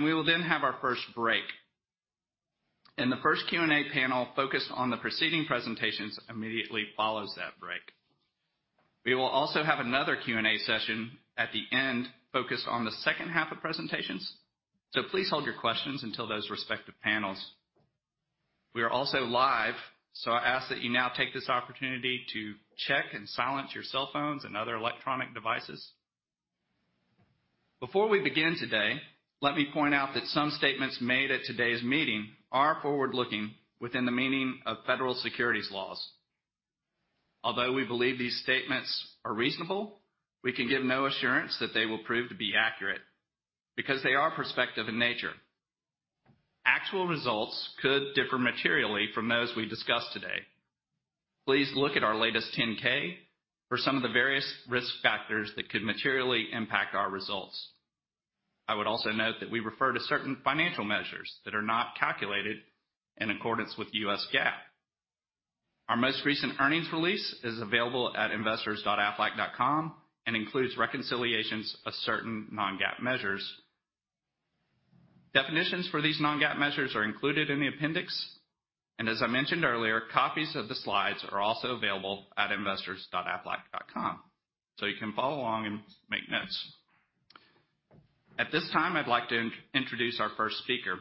We will then have our first break. The first Q&A panel focused on the preceding presentations immediately follows that break. We will also have another Q&A session at the end focused on the second half of presentations, so please hold your questions until those respective panels. We are also live, so I ask that you now take this opportunity to check and silence your cell phones and other electronic devices. Before we begin today, let me point out that some statements made at today's meeting are forward-looking within the meaning of federal securities laws. Although we believe these statements are reasonable, we can give no assurance that they will prove to be accurate because they are prospective in nature. Actual results could differ materially from those we discuss today. Please look at our latest 10-K for some of the various risk factors that could materially impact our results. I would also note that we refer to certain financial measures that are not calculated in accordance with U.S. GAAP. Our most recent earnings release is available at investors.aflac.com and includes reconciliations of certain non-GAAP measures. Definitions for these non-GAAP measures are included in the appendix. As I mentioned earlier, copies of the slides are also available at investors.aflac.com, so you can follow along and make notes. At this time, I'd like to introduce our first speaker.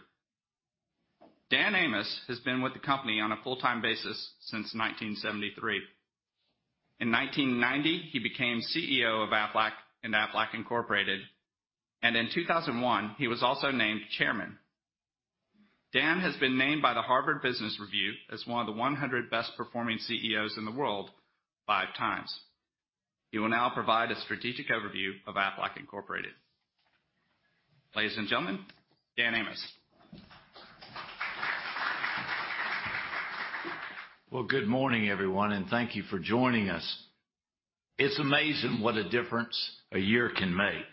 Dan Amos has been with the company on a full-time basis since 1973. In 1990, he became CEO of Aflac and Aflac Incorporated, and in 2001, he was also named Chairman. Dan has been named by the Harvard Business Review as one of the 100 best performing CEOs in the world five times. He will now provide a strategic overview of Aflac Incorporated. Ladies and gentlemen, Dan Amos. Well, good morning, everyone, and thank you for joining us. It's amazing what a difference a year can make.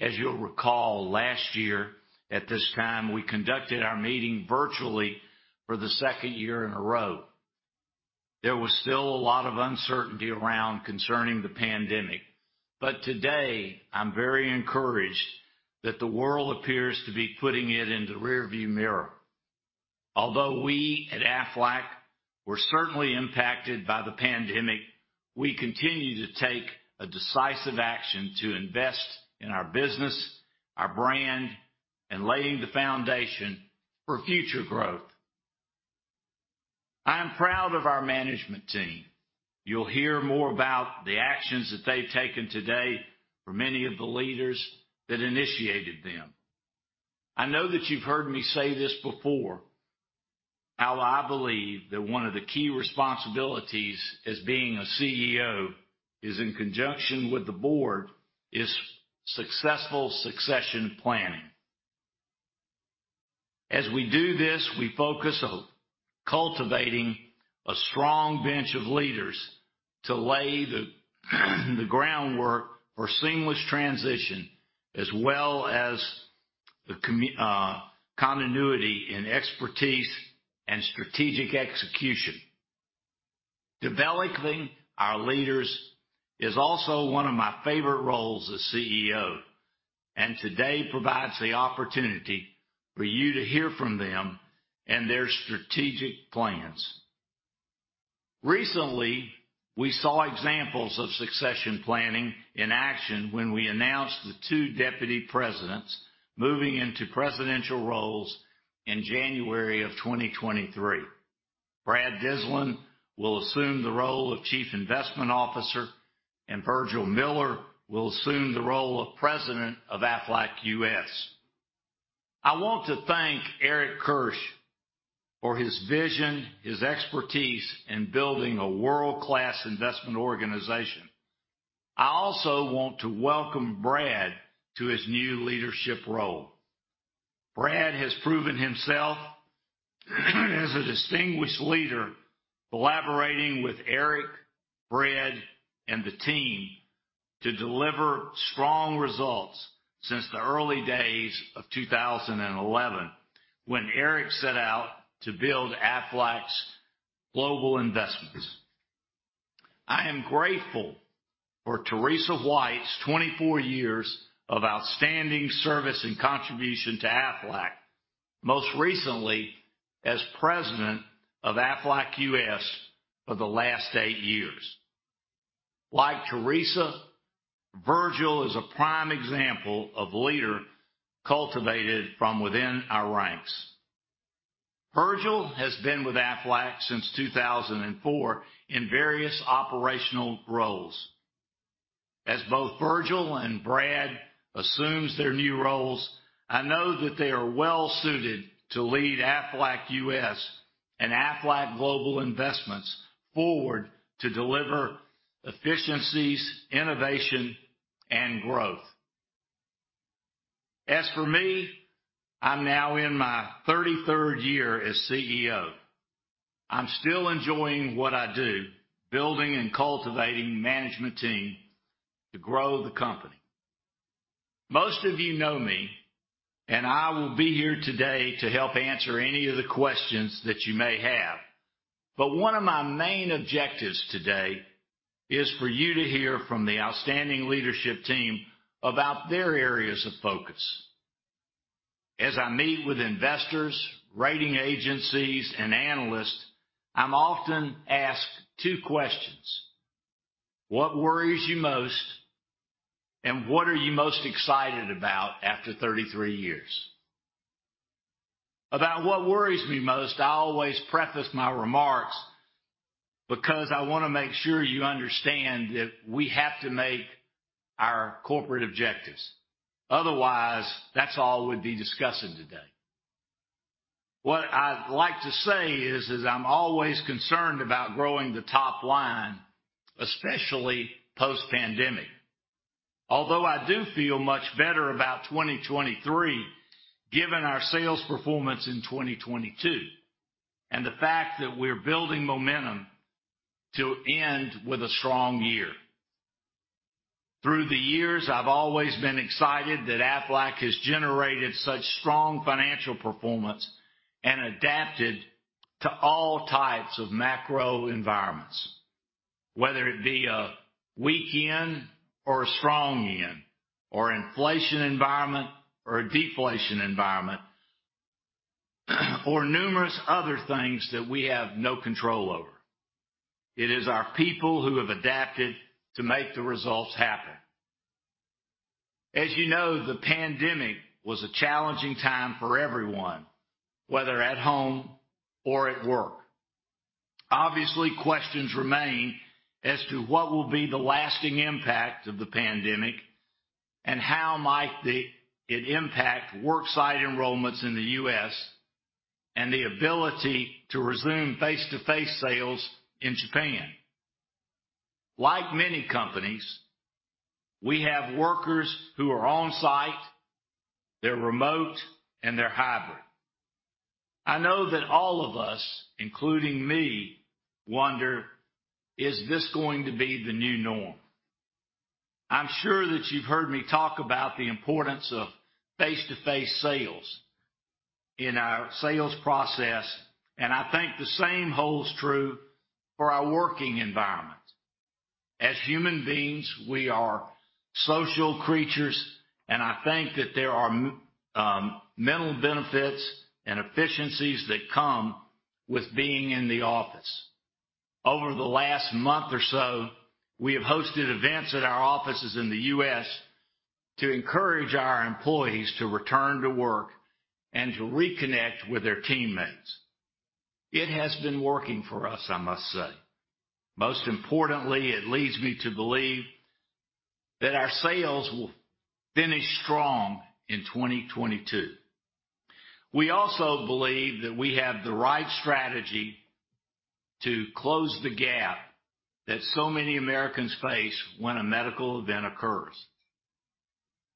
As you'll recall, last year at this time, we conducted our meeting virtually for the second year in a row. There was still a lot of uncertainty around concerning the pandemic. Today, I'm very encouraged that the world appears to be putting it in the rearview mirror. Although we at Aflac were certainly impacted by the pandemic, we continue to take a decisive action to invest in our business, our brand, and laying the foundation for future growth. I am proud of our management team. You'll hear more about the actions that they've taken today from many of the leaders that initiated them. I know that you've heard me say this before, how I believe that one of the key responsibilities as being a CEO is, in conjunction with the board, is successful succession planning. As we do this, we focus on cultivating a strong bench of leaders to lay the groundwork for seamless transition as well as the continuity and expertise and strategic execution. Developing our leaders is also one of my favorite roles as CEO, and today provides the opportunity for you to hear from them and their strategic plans. Recently, we saw examples of succession planning in action when we announced the two deputy presidents moving into presidential roles in January 2023. Brad Dyslin will assume the role of Chief Investment Officer, and Virgil Miller will assume the role of President of Aflac U.S. I want to thank Eric Kirsch for his vision, his expertise in building a world-class investment organization. I also want to welcome Brad to his new leadership role. Brad has proven himself as a distinguished leader, collaborating with Eric, Brad, and the team. To deliver strong results since the early days of 2011 when Eric set out to build Aflac Global Investments. I am grateful for Teresa White's 24 years of outstanding service and contribution to Aflac, most recently as President of Aflac U.S. for the last eight years. Like Teresa, Virgil is a prime example of leader cultivated from within our ranks. Virgil has been with Aflac since 2004 in various operational roles. As both Virgil and Brad assumes their new roles, I know that they are well suited to lead Aflac U.S. and Aflac Global Investments forward to deliver efficiencies, innovation and growth. As for me, I'm now in my 33rd year as CEO. I'm still enjoying what I do, building and cultivating management team to grow the company. Most of you know me, and I will be here today to help answer any of the questions that you may have. But one of my main objectives today is for you to hear from the outstanding leadership team about their areas of focus. As I meet with investors, rating agencies and analysts, I'm often asked two questions. What worries you most? What are you most excited about after 33 years? About what worries me most, I always preface my remarks because I wanna make sure you understand that we have to make our corporate objectives. Otherwise, that's all we'll be discussing today. What I'd like to say is I'm always concerned about growing the top line, especially post-pandemic. Although I do feel much better about 2023, given our sales performance in 2022, and the fact that we're building momentum to end with a strong year. Through the years, I've always been excited that Aflac has generated such strong financial performance and adapted to all types of macro environments. Whether it be a weak yen or a strong yen or inflation environment or a deflation environment, or numerous other things that we have no control over. It is our people who have adapted to make the results happen. As you know, the pandemic was a challenging time for everyone, whether at home or at work. Obviously, questions remain as to what will be the lasting impact of the pandemic and how might it impact work site enrollments in the U.S. and the ability to resume face-to-face sales in Japan. Like many companies, we have workers who are on site, they're remote, and they're hybrid. I know that all of us, including me, wonder, "Is this going to be the new norm?" I'm sure that you've heard me talk about the importance of face-to-face sales in our sales process, and I think the same holds true for our working environment. As human beings, we are social creatures, and I think that there are mental benefits and efficiencies that come with being in the office. Over the last month or so, we have hosted events at our offices in the U.S. to encourage our employees to return to work and to reconnect with their teammates. It has been working for us, I must say. Most importantly, it leads me to believe that our sales will finish strong in 2022. We also believe that we have the right strategy to close the gap that so many Americans face when a medical event occurs.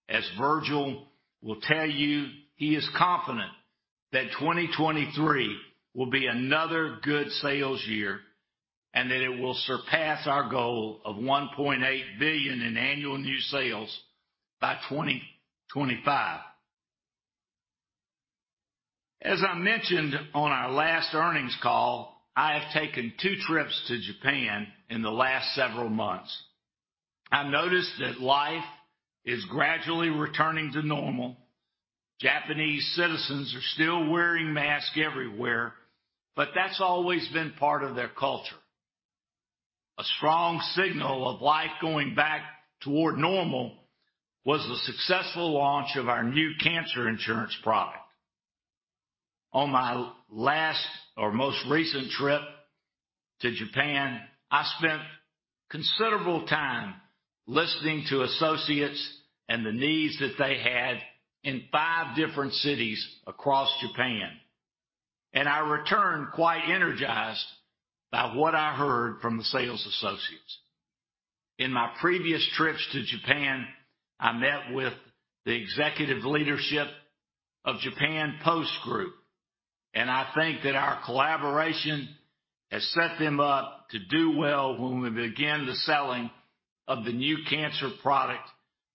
As Virgil will tell you, he is confident that 2023 will be another good sales year, and that it will surpass our goal of $1.8 billion in annual new sales by 2025. As I mentioned on our last earnings call, I have taken two trips to Japan in the last several months. I noticed that life is gradually returning to normal. Japanese citizens are still wearing masks everywhere, but that's always been part of their culture. A strong signal of life going back toward normal was the successful launch of our new cancer insurance product. On my last or most recent trip to Japan, I spent considerable time listening to associates and the needs that they had in five different cities across Japan. I returned quite energized by what I heard from the sales associates. In my previous trips to Japan, I met with the executive leadership of Japan Post Group. I think that our collaboration has set them up to do well when we begin the selling of the new cancer product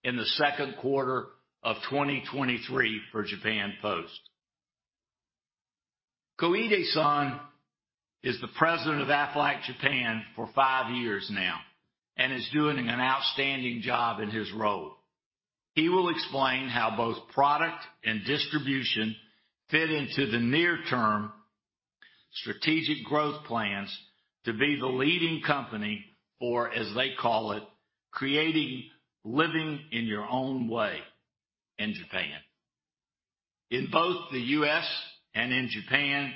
in the second quarter of 2023 for Japan Post. Koide-san is the president of Aflac Japan for five years now and is doing an outstanding job in his role. He will explain how both product and distribution fit into the near term strategic growth plans to be the leading company, or as they call it, creating Living in Your Own Way in Japan. In both the U.S. and in Japan,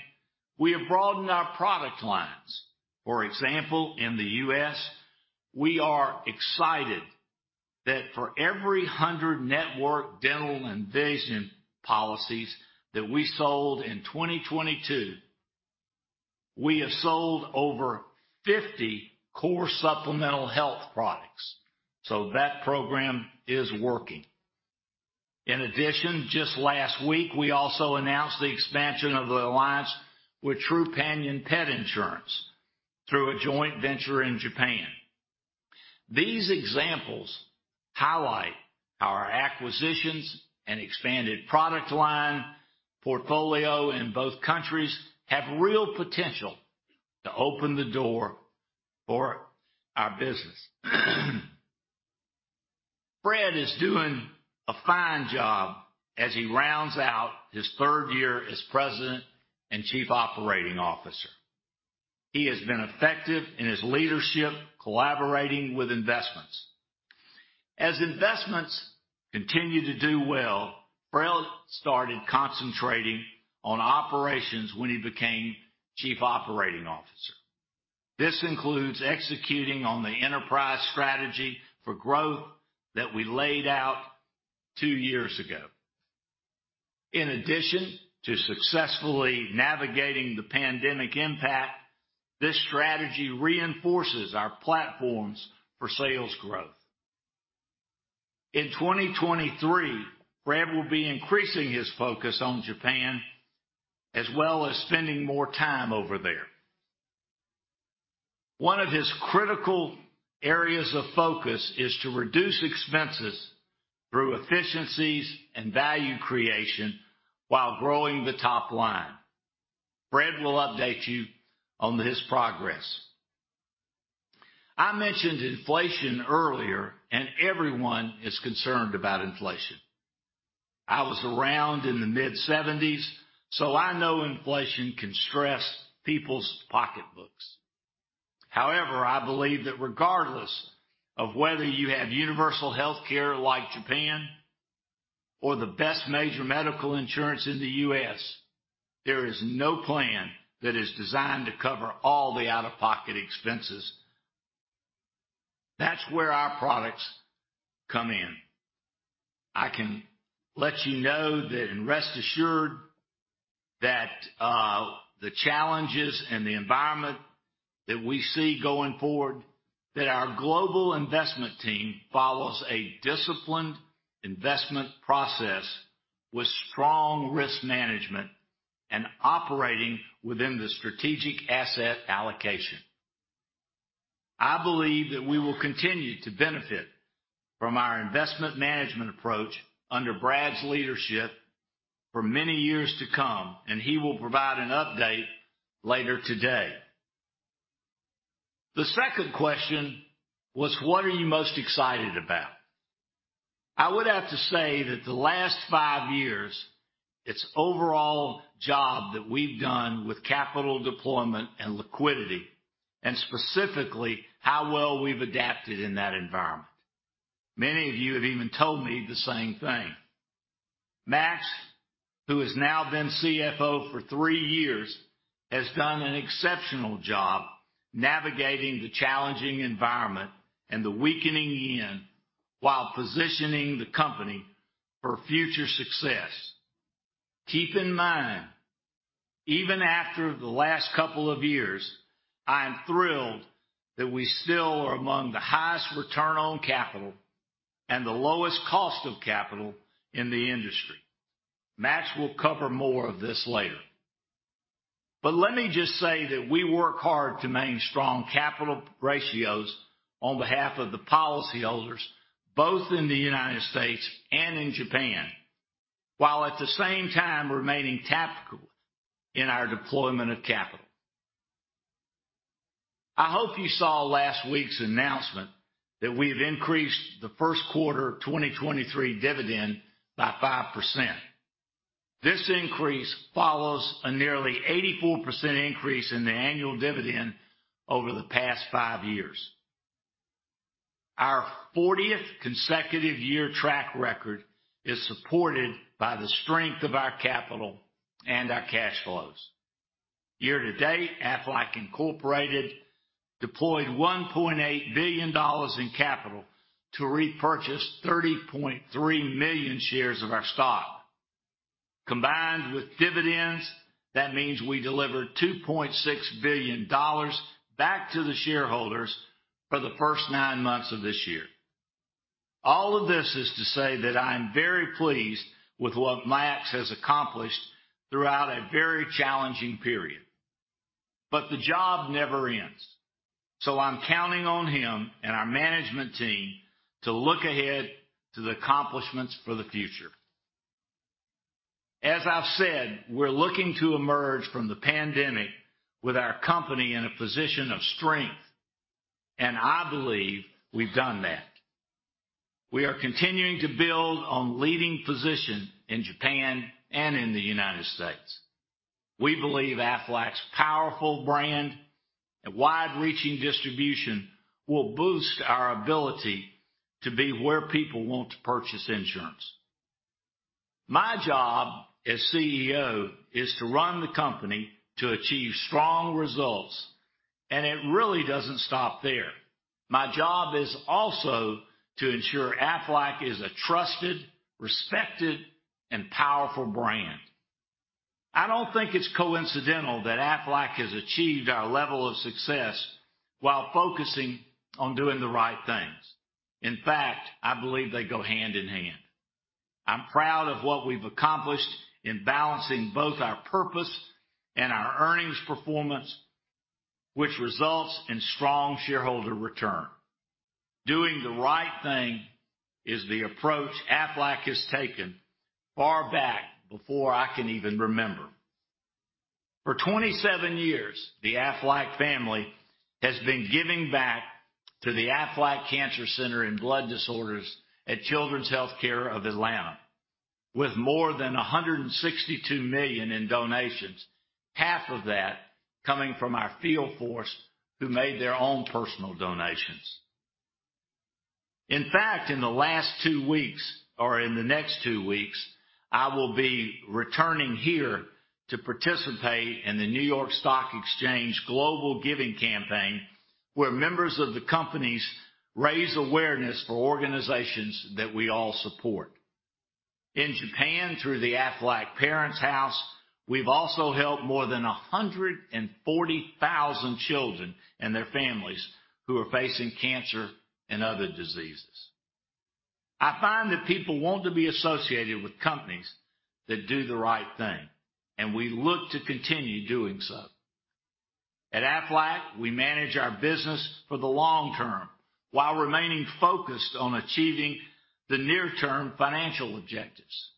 we have broadened our product lines. For example, in the U.S., we are excited that for every 100 network, dental and vision policies that we sold in 2022, we have sold over 50 core supplemental health products. That program is working. In addition, just last week, we also announced the expansion of the alliance with Trupanion through a joint venture in Japan. These examples highlight our acquisitions and expanded product line portfolio in both countries have real potential to open the door for our business. Fred is doing a fine job as he rounds out his third year as President and Chief Operating Officer. He has been effective in his leadership, collaborating with investments. As investments continue to do well, Brad started concentrating on operations when he became Chief Operating Officer. This includes executing on the enterprise strategy for growth that we laid out two years ago. In addition to successfully navigating the pandemic impact, this strategy reinforces our platforms for sales growth. In 2023, Brad will be increasing his focus on Japan as well as spending more time over there. One of his critical areas of focus is to reduce expenses through efficiencies and value creation while growing the top line. Brad will update you on his progress. I mentioned inflation earlier, and everyone is concerned about inflation. I was around in the mid-1970s, so I know inflation can stress people's pocketbooks. However, I believe that regardless of whether you have universal health care like Japan or the best major medical insurance in the U.S., there is no plan that is designed to cover all the out-of-pocket expenses. That's where our products come in. I can let you know that and rest assured that, the challenges and the environment that we see going forward, that our global investment team follows a disciplined investment process with strong risk management and operating within the strategic asset allocation. I believe that we will continue to benefit from our investment management approach under Brad's leadership for many years to come, and he will provide an update later today. The second question was. What are you most excited about? I would have to say that the last five years, it's overall job that we've done with capital deployment and liquidity, and specifically how well we've adapted in that environment. Many of you have even told me the same thing. Max, who has now been CFO for three years, has done an exceptional job navigating the challenging environment and the weakening yen while positioning the company for future success. Keep in mind, even after the last couple of years, I am thrilled that we still are among the highest return on capital and the lowest cost of capital in the industry. Max will cover more of this later. Let me just say that we work hard to maintain strong capital ratios on behalf of the policyholders, both in the United States and in Japan, while at the same time remaining tactical in our deployment of capital. I hope you saw last week's announcement that we've increased the first quarter 2023 dividend by 5%. This increase follows a nearly 84% increase in the annual dividend over the past five years. Our 40th consecutive year track record is supported by the strength of our capital and our cash flows. Year to date, Aflac Incorporated deployed $1.8 billion in capital to repurchase 30.3 million shares of our stock. Combined with dividends, that means we delivered $2.6 billion back to the shareholders for the first nine months of this year. All of this is to say that I'm very pleased with what Max has accomplished throughout a very challenging period. The job never ends, so I'm counting on him and our management team to look ahead to the accomplishments for the future. As I've said, we're looking to emerge from the pandemic with our company in a position of strength, and I believe we've done that. We are continuing to build on leading position in Japan and in the United States. We believe Aflac's powerful brand and wide-reaching distribution will boost our ability to be where people want to purchase insurance. My job as CEO is to run the company to achieve strong results, and it really doesn't stop there. My job is also to ensure Aflac is a trusted, respected, and powerful brand. I don't think it's coincidental that Aflac has achieved our level of success while focusing on doing the right things. In fact, I believe they go hand in hand. I'm proud of what we've accomplished in balancing both our purpose and our earnings performance, which results in strong shareholder return. Doing the right thing is the approach Aflac has taken far back, before I can even remember. For 27 years, the Aflac family has been giving back to the Aflac Cancer and Blood Disorders Center at Children's Healthcare of Atlanta with more than $162 million in donations, half of that coming from our field force who made their own personal donations. In fact, in the last two weeks, or in the next two weeks, I will be returning here to participate in the New York Stock Exchange global giving campaign, where members of the companies raise awareness for organizations that we all support. In Japan, through the Aflac Parents House, we've also helped more than 140,000 children and their families who are facing cancer and other diseases. I find that people want to be associated with companies that do the right thing, and we look to continue doing so. At Aflac, we manage our business for the long term while remaining focused on achieving the near-term financial objectives.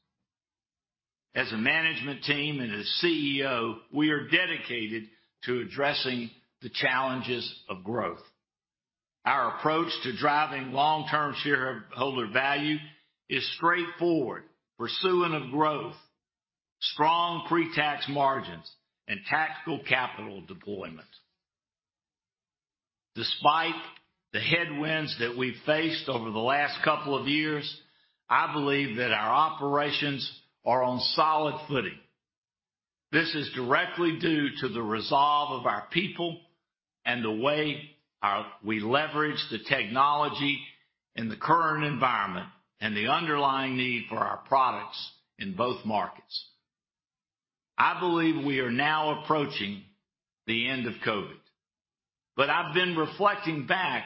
As a management team and as CEO, we are dedicated to addressing the challenges of growth. Our approach to driving long-term shareholder value is straightforward, pursuit of growth, strong pre-tax margins, and tactical capital deployment. Despite the headwinds that we've faced over the last couple of years, I believe that our operations are on solid footing. This is directly due to the resolve of our people and the way we leverage the technology in the current environment and the underlying need for our products in both markets. I believe we are now approaching the end of COVID, but I've been reflecting back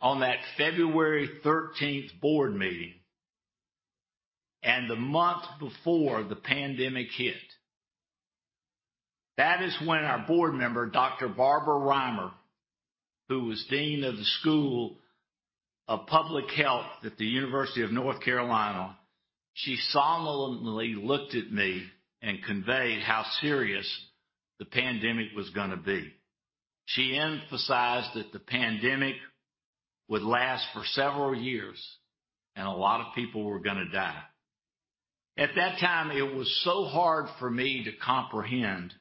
on that February 13th board meeting and the month before the pandemic hit. That is when our board member, Dr. Barbara Rimer, who was Dean of the School of Public Health at the University of North Carolina, she solemnly looked at me and conveyed how serious the pandemic was gonna be. She emphasized that the pandemic would last for several years, and a lot of people were gonna die. At that time, it was so hard for me to comprehend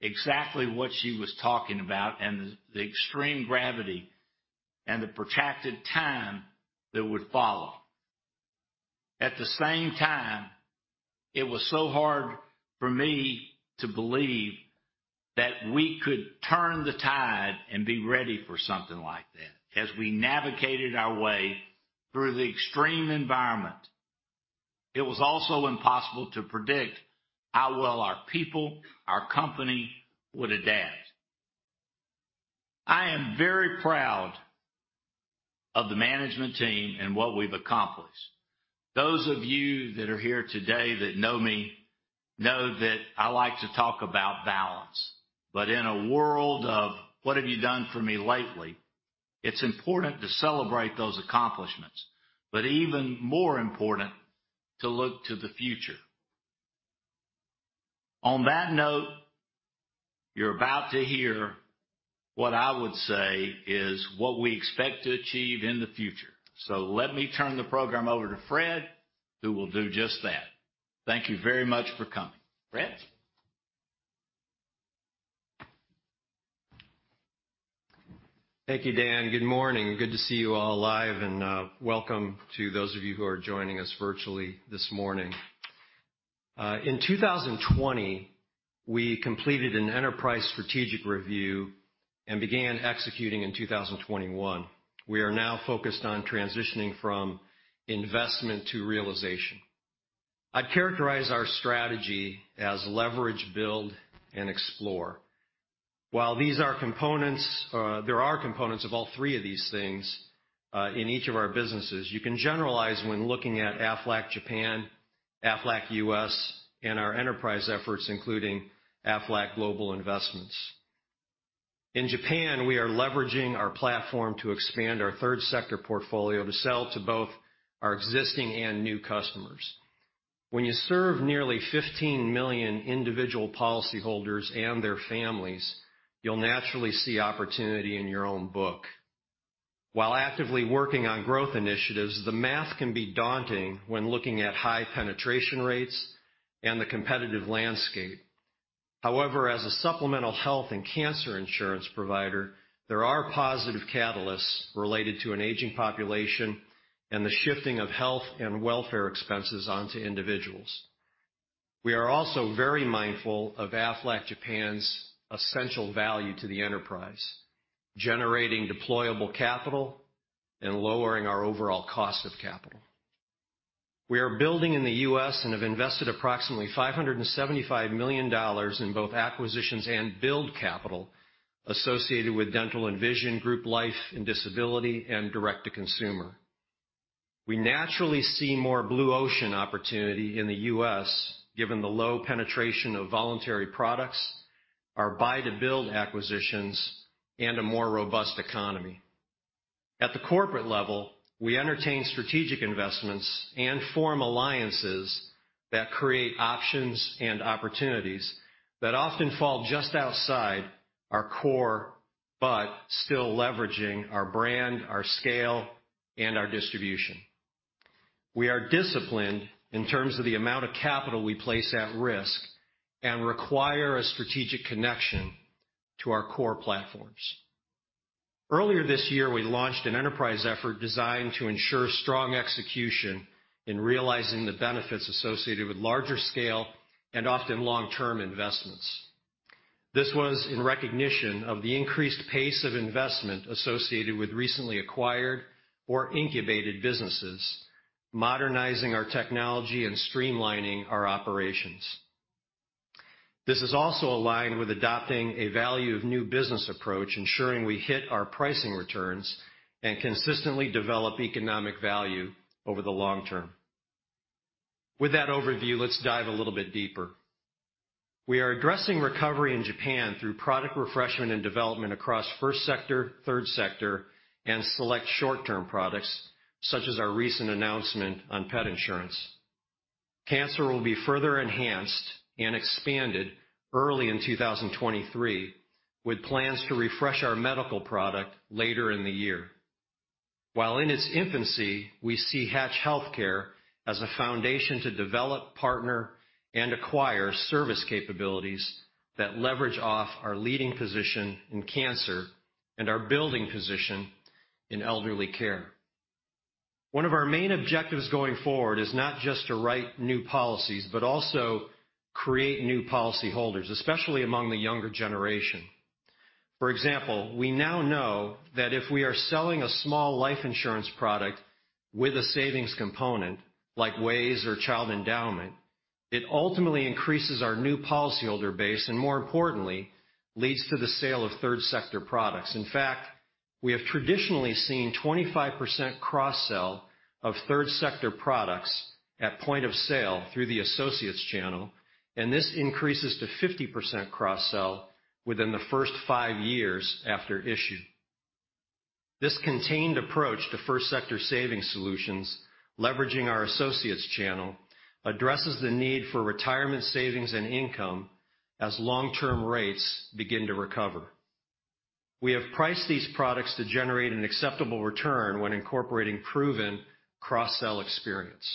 exactly what she was talking about and the extreme gravity and the protracted time that would follow. At the same time, it was so hard for me to believe that we could turn the tide and be ready for something like that. As we navigated our way through the extreme environment, it was also impossible to predict how well our people, our company would adapt. I am very proud of the management team and what we've accomplished. Those of you that are here today that know me, know that I like to talk about balance, but in a world of what have you done for me lately, it's important to celebrate those accomplishments, but even more important to look to the future. On that note, you're about to hear what I would say is what we expect to achieve in the future. Let me turn the program over to Fred, who will do just that. Thank you very much for coming. Fred? Thank you, Dan. Good morning. Good to see you all live, and welcome to those of you who are joining us virtually this morning. In 2020, we completed an enterprise strategic review and began executing in 2021. We are now focused on transitioning from investment to realization. I'd characterize our strategy as leverage, build, and explore. While these are components, there are components of all three of these things in each of our businesses. You can generalize when looking at Aflac Japan, Aflac U.S., and our enterprise efforts, including Aflac Global Investments. In Japan, we are leveraging our platform to expand our third sector portfolio to sell to both our existing and new customers. When you serve nearly 15 million individual policy holders and their families, you'll naturally see opportunity in your own book. While actively working on growth initiatives, the math can be daunting when looking at high penetration rates and the competitive landscape. However, as a supplemental health and cancer insurance provider, there are positive catalysts related to an aging population and the shifting of health and welfare expenses onto individuals. We are also very mindful of Aflac Japan's essential value to the enterprise, generating deployable capital and lowering our overall cost of capital. We are building in the U.S. and have invested approximately $575 million in both acquisitions and build capital associated with dental and vision, group life and disability, and direct to consumer. We naturally see more blue ocean opportunity in the U.S., given the low penetration of voluntary products, our Buy-to-Build acquisitions, and a more robust economy. At the corporate level, we entertain strategic investments and form alliances that create options and opportunities that often fall just outside our core, but still leveraging our brand, our scale, and our distribution. We are disciplined in terms of the amount of capital we place at risk and require a strategic connection to our core platforms. Earlier this year, we launched an enterprise effort designed to ensure strong execution in realizing the benefits associated with larger scale and often long-term investments. This was in recognition of the increased pace of investment associated with recently acquired or incubated businesses, modernizing our technology and streamlining our operations. This is also aligned with adopting a value of new business approach, ensuring we hit our pricing returns and consistently develop economic value over the long term. With that overview, let's dive a little bit deeper. We are addressing recovery in Japan through product refreshment and development across First Sector, Third Sector, and select short-term products, such as our recent announcement on pet insurance. Cancer will be further enhanced and expanded early in 2023, with plans to refresh our medical product later in the year. While in its infancy, we see Hatch Healthcare as a foundation to develop, partner, and acquire service capabilities that leverage off our leading position in cancer and our building position in elderly care. One of our main objectives going forward is not just to write new policies, but also create new policy holders, especially among the younger generation. For example, we now know that if we are selling a small life insurance product with a savings component, like WAYS or child endowment, it ultimately increases our new policyholder base and, more importantly, leads to the sale of third sector products. In fact, we have traditionally seen 25% cross-sell of third sector products at point of sale through the associates channel, and this increases to 50% cross-sell within the first five years after issue. This contained approach to First Sector savings solutions, leveraging our associates channel, addresses the need for retirement savings and income as long-term rates begin to recover. We have priced these products to generate an acceptable return when incorporating proven cross-sell experience.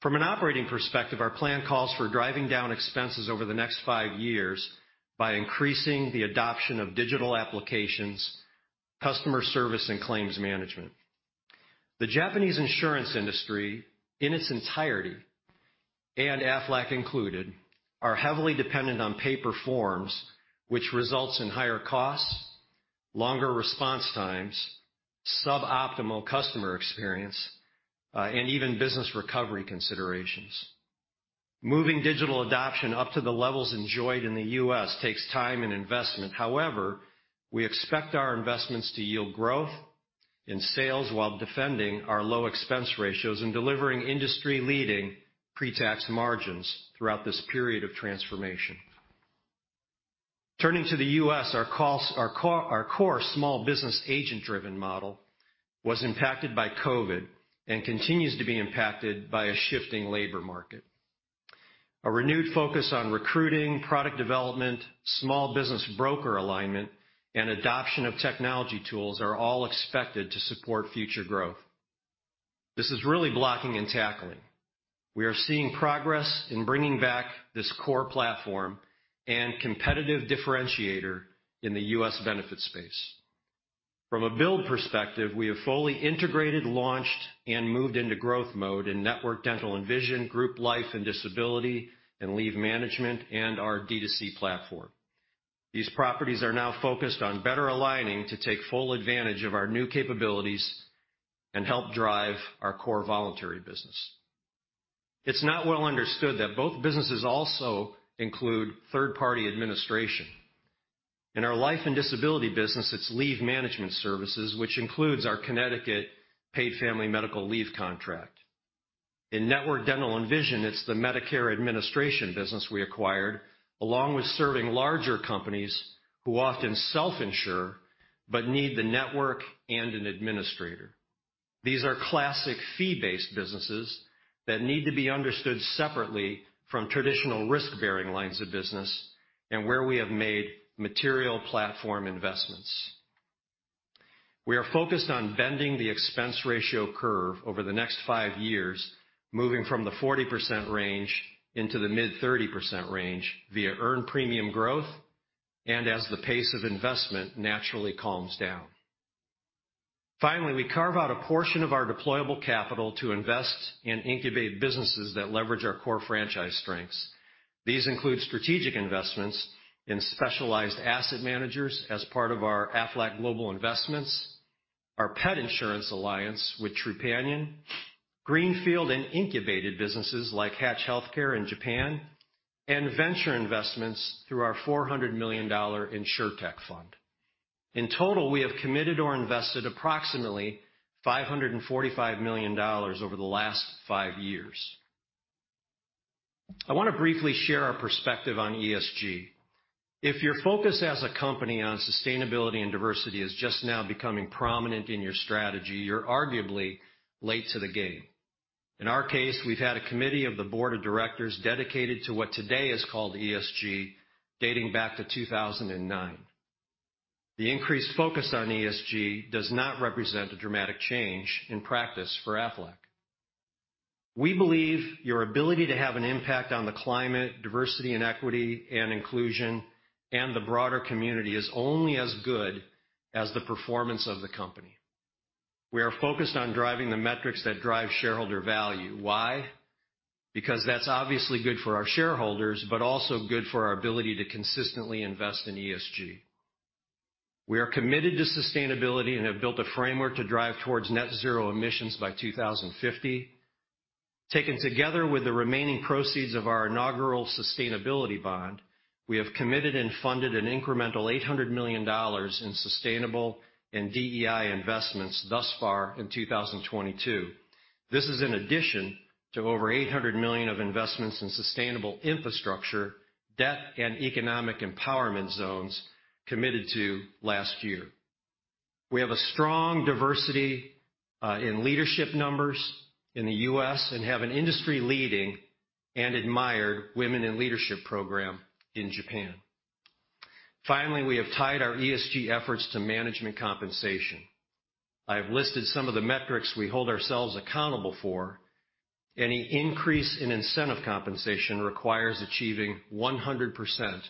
From an operating perspective, our plan calls for driving down expenses over the next five years by increasing the adoption of digital applications, customer service and claims management. The Japanese insurance industry, in its entirety, and Aflac included, are heavily dependent on paper forms, which results in higher costs, longer response times, suboptimal customer experience, and even business recovery considerations. Moving digital adoption up to the levels enjoyed in the U.S. takes time and investment. However, we expect our investments to yield growth in sales while defending our low expense ratios and delivering industry-leading pre-tax margins throughout this period of transformation. Turning to the U.S., our core small business agent-driven model was impacted by COVID and continues to be impacted by a shifting labor market. A renewed focus on recruiting, product development, small business broker alignment, and adoption of technology tools are all expected to support future growth. This is really blocking and tackling. We are seeing progress in bringing back this core platform and competitive differentiator in the U.S. benefit space. From a build perspective, we have fully integrated, launched, and moved into growth mode in network dental and vision, group life and disability, and leave management and our D2C platform. These properties are now focused on better aligning to take full advantage of our new capabilities and help drive our core voluntary business. It's not well understood that both businesses also include third-party administration. In our life and disability business, it's leave management services, which includes our Connecticut Paid Family and Medical Leave contract. In network, dental, and vision, it's the Medicare administration business we acquired, along with serving larger companies who often self-insure but need the network and an administrator. These are classic fee-based businesses that need to be understood separately from traditional risk-bearing lines of business and where we have made material platform investments. We are focused on bending the expense ratio curve over the next five years, moving from the 40% range into the mid-30% range via earned premium growth and as the pace of investment naturally calms down. Finally, we carve out a portion of our deployable capital to invest in incubate businesses that leverage our core franchise strengths. These include strategic investments in specialized asset managers as part of our Aflac Global Investments, our pet insurance alliance with Trupanion, greenfield and incubated businesses like Hatch Healthcare in Japan, and venture investments through our $400 million Insurtech Fund. In total, we have committed or invested approximately $545 million over the last five years. I wanna briefly share our perspective on ESG. If your focus as a company on sustainability and diversity is just now becoming prominent in your strategy, you're arguably late to the game. In our case, we've had a committee of the board of directors dedicated to what today is called ESG, dating back to 2009. The increased focus on ESG does not represent a dramatic change in practice for Aflac. We believe your ability to have an impact on the climate, diversity and equity and inclusion, and the broader community is only as good as the performance of the company. We are focused on driving the metrics that drive shareholder value. Why? Because that's obviously good for our shareholders, but also good for our ability to consistently invest in ESG. We are committed to sustainability and have built a framework to drive towards net zero emissions by 2050. Taken together with the remaining proceeds of our inaugural sustainability bond, we have committed and funded an incremental $800 million in sustainable and DEI investments thus far in 2022. This is in addition to over $800 million of investments in sustainable infrastructure, debt, and economic empowerment zones committed to last year. We have a strong diversity in leadership numbers in the U.S. and have an industry-leading and admired women in leadership program in Japan. Finally, we have tied our ESG efforts to management compensation. I have listed some of the metrics we hold ourselves accountable for. Any increase in incentive compensation requires achieving 100%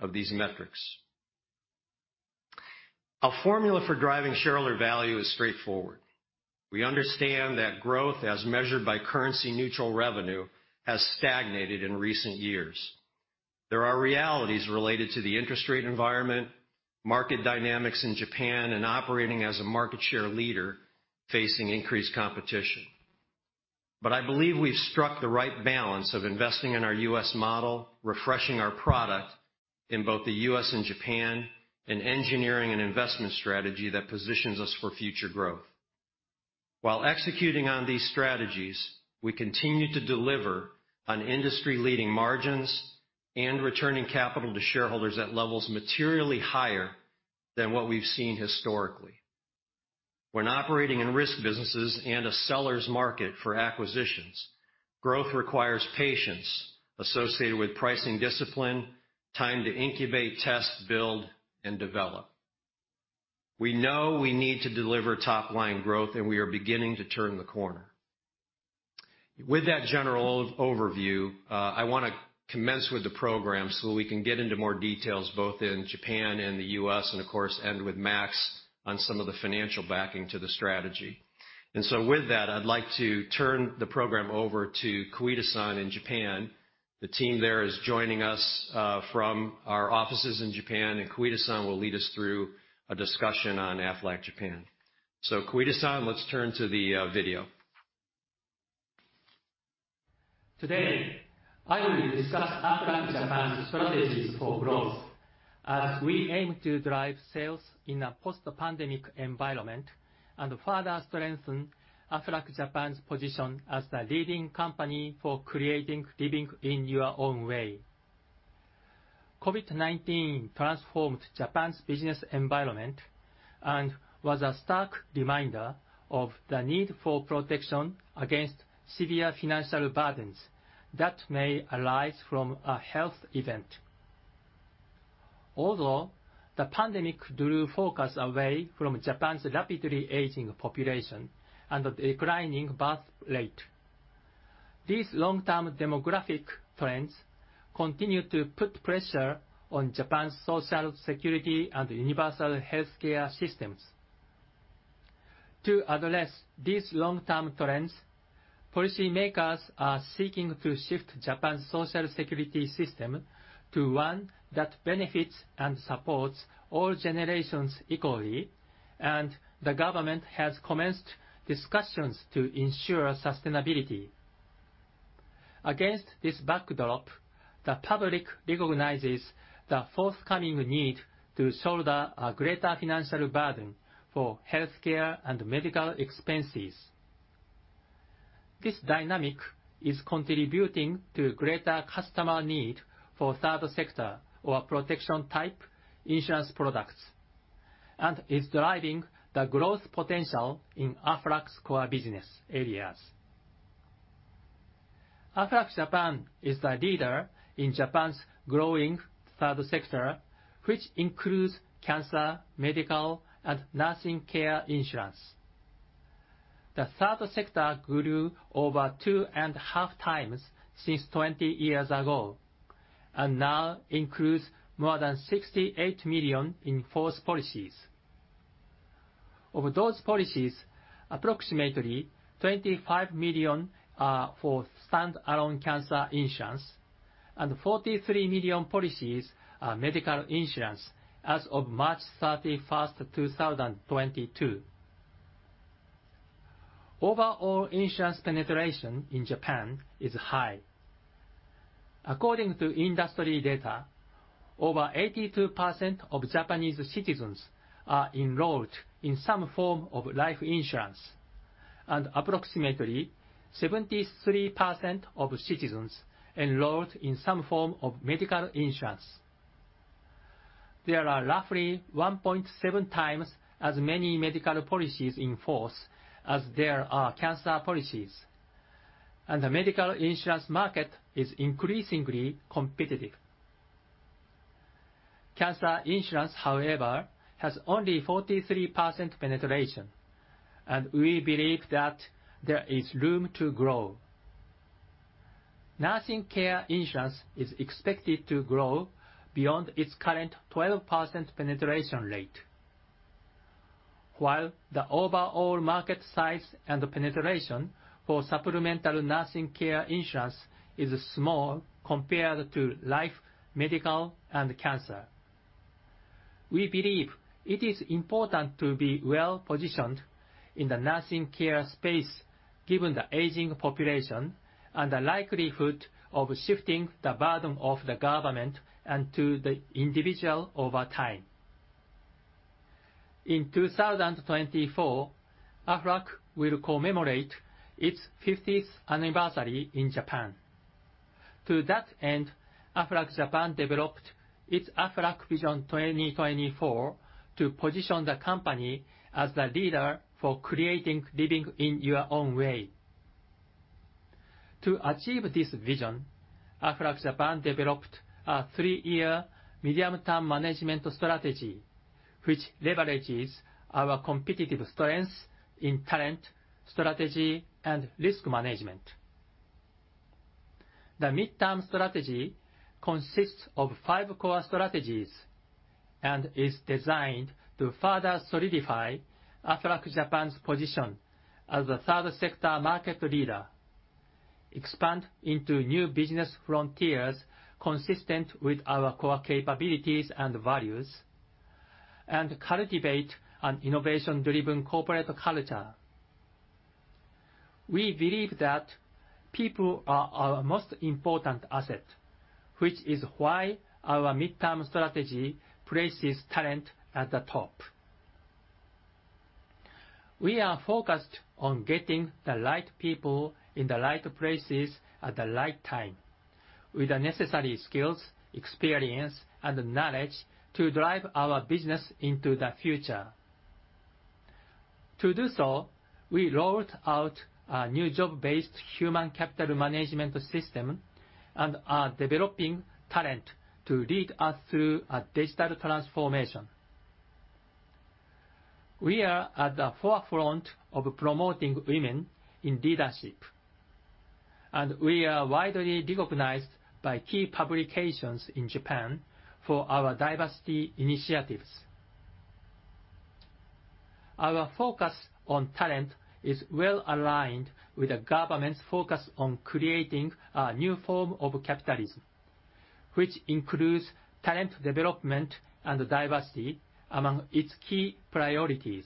of these metrics. Our formula for driving shareholder value is straightforward. We understand that growth, as measured by currency neutral revenue, has stagnated in recent years. There are realities related to the interest rate environment, market dynamics in Japan, and operating as a market share leader facing increased competition. I believe we've struck the right balance of investing in our U.S. model, refreshing our product in both the U.S. and Japan, and engineering an investment strategy that positions us for future growth. While executing on these strategies, we continue to deliver on industry-leading margins and returning capital to shareholders at levels materially higher than what we've seen historically. When operating in risk businesses and a seller's market for acquisitions, growth requires patience associated with pricing discipline, time to incubate, test, build, and develop. We know we need to deliver top-line growth, and we are beginning to turn the corner. With that general overview, I wanna commence with the program so we can get into more details both in Japan and the U.S. and, of course, end with Max on some of the financial backing to the strategy. With that, I'd like to turn the program over to Koide-san in Japan. The team there is joining us from our offices in Japan, and Koide-san will lead us through a discussion on Aflac Japan. Koide-san, let's turn to the video. Today, I will discuss Aflac Japan's strategies for growth as we aim to drive sales in a post-pandemic environment and further strengthen Aflac Japan's position as the leading company for creating Living in Your Own Way. COVID-19 transformed Japan's business environment and was a stark reminder of the need for protection against severe financial burdens that may arise from a health event. Although the pandemic drew focus away from Japan's rapidly aging population and a declining birth rate, these long-term demographic trends continue to put pressure on Japan's Social Security and universal healthcare systems. To address these long-term trends, policy makers are seeking to shift Japan's Social Security system to one that benefits and supports all generations equally, and the government has commenced discussions to ensure sustainability. Against this backdrop, the public recognizes the forthcoming need to shoulder a greater financial burden for healthcare and medical expenses. This dynamic is contributing to greater customer need for third sector or protection type insurance products, and is driving the growth potential in Aflac's core business areas. Aflac Japan is the leader in Japan's growing third sector, which includes cancer, medical, and nursing care insurance. The third sector grew over 2.5 times since 20 years ago, and now includes more than 68 million in force policies. Of those policies, approximately 25 million are for standalone cancer insurance, and 43 million policies are medical insurance as of March 31, 2022. Overall insurance penetration in Japan is high. According to industry data, over 82% of Japanese citizens are enrolled in some form of life insurance, and approximately 73% of citizens enrolled in some form of medical insurance. There are roughly 1.7 times as many medical policies in force as there are cancer policies, and the medical insurance market is increasingly competitive. Cancer insurance, however, has only 43% penetration, and we believe that there is room to grow. Nursing care insurance is expected to grow beyond its current 12% penetration rate. While the overall market size and the penetration for supplemental nursing care insurance is small compared to life, medical, and cancer, we believe it is important to be well-positioned in the nursing care space given the aging population and the likelihood of shifting the burden of the government and to the individual over time. In 2024, Aflac will commemorate its fiftieth anniversary in Japan. To that end, Aflac Japan developed its Aflac Vision 2024 to position the company as the leader for creating Living in Your Own Way. To achieve this vision, Aflac Japan developed a three-year medium term management strategy which leverages our competitive strengths in talent, strategy, and risk management. The midterm strategy consists of five core strategies and is designed to further solidify Aflac Japan's position as the third sector market leader, expand into new business frontiers consistent with our core capabilities and values, and cultivate an innovation-driven corporate culture. We believe that people are our most important asset, which is why our midterm strategy places talent at the top. We are focused on getting the right people in the right places at the right time with the necessary skills, experience, and knowledge to drive our business into the future. To do so, we rolled out a new job-based human capital management system and are developing talent to lead us through a digital transformation. We are at the forefront of promoting women in leadership, and we are widely recognized by key publications in Japan for our diversity initiatives. Our focus on talent is well aligned with the government's focus on creating a new form of capitalism, which includes talent development and diversity among its key priorities.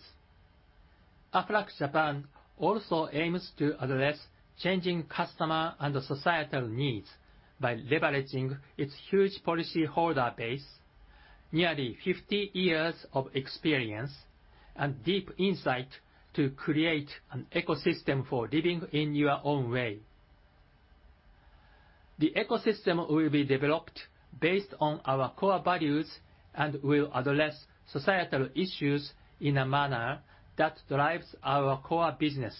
Aflac Japan also aims to address changing customer and societal needs by leveraging its huge policyholder base, nearly 50 years of experience, and deep insight to create an ecosystem for Living in Your Own Way. The ecosystem will be developed based on our core values and will address societal issues in a manner that drives our core business,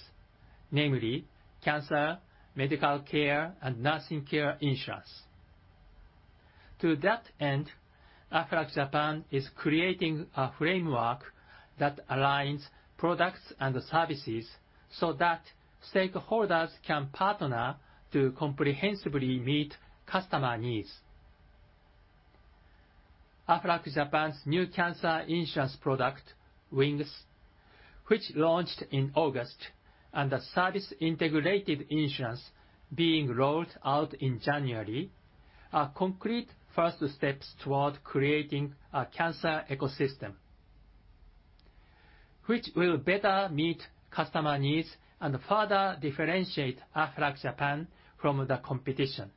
namely cancer, medical care, and nursing care insurance. To that end, Aflac Japan is creating a framework that aligns products and services so that stakeholders can partner to comprehensively meet customer needs. Aflac Japan's new cancer insurance product, WINGS, which launched in August, and the service integrated insurance being rolled out in January, are concrete first steps toward creating a cancer ecosystem, which will better meet customer needs and further differentiate Aflac Japan from the competition.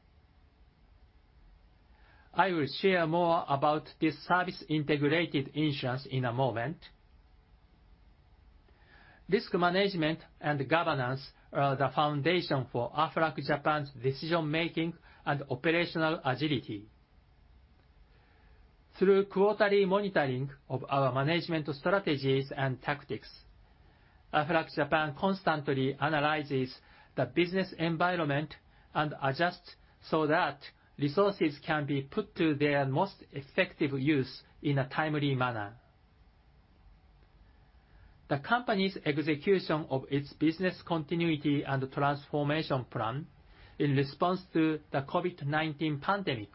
I will share more about this service integrated insurance in a moment. Risk management and governance are the foundation for Aflac Japan's decision-making and operational agility. Through quarterly monitoring of our management strategies and tactics, Aflac Japan constantly analyzes the business environment and adjusts so that resources can be put to their most effective use in a timely manner. The company's execution of its business continuity and transformation plan in response to the COVID-19 pandemic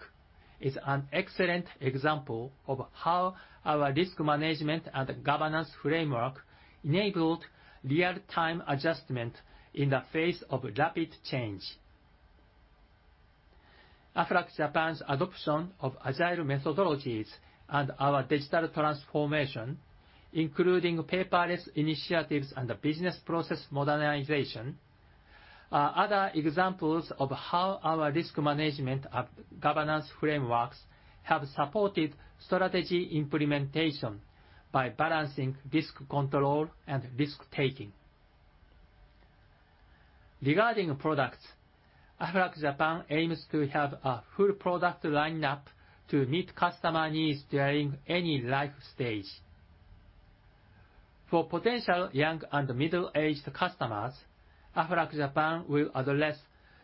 is an excellent example of how our risk management and governance framework enabled real-time adjustment in the face of rapid change. Aflac Japan's adoption of agile methodologies and our digital transformation, including paperless initiatives and business process modernization, are other examples of how our risk management of governance frameworks have supported strategy implementation by balancing risk control and risk-taking. Regarding products, Aflac Japan aims to have a full product line up to meet customer needs during any life stage. For potential young and middle-aged customers, Aflac Japan will address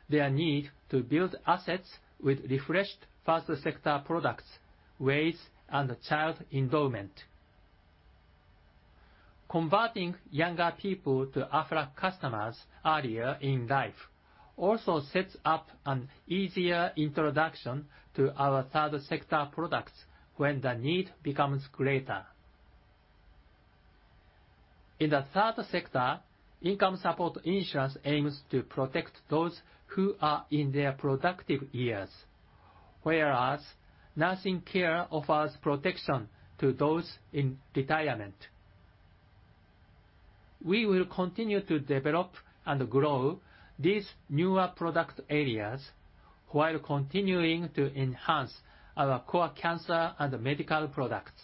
their need to build assets with refreshed First Sector products, WAYS, and child endowment. Converting younger people to Aflac customers earlier in life also sets up an easier introduction to our third sector products when the need becomes greater. In the third sector, income support insurance aims to protect those who are in their productive years, whereas nursing care offers protection to those in retirement. We will continue to develop and grow these newer product areas while continuing to enhance our core cancer and medical products.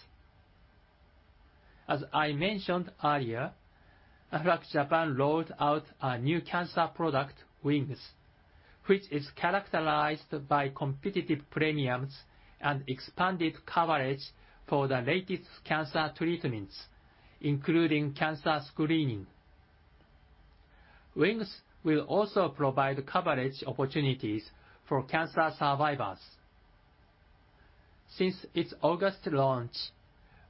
As I mentioned earlier, Aflac Japan rolled out a new cancer product, WINGS, which is characterized by competitive premiums and expanded coverage for the latest cancer treatments, including cancer screening. Wings will also provide coverage opportunities for cancer survivors. Since its August launch,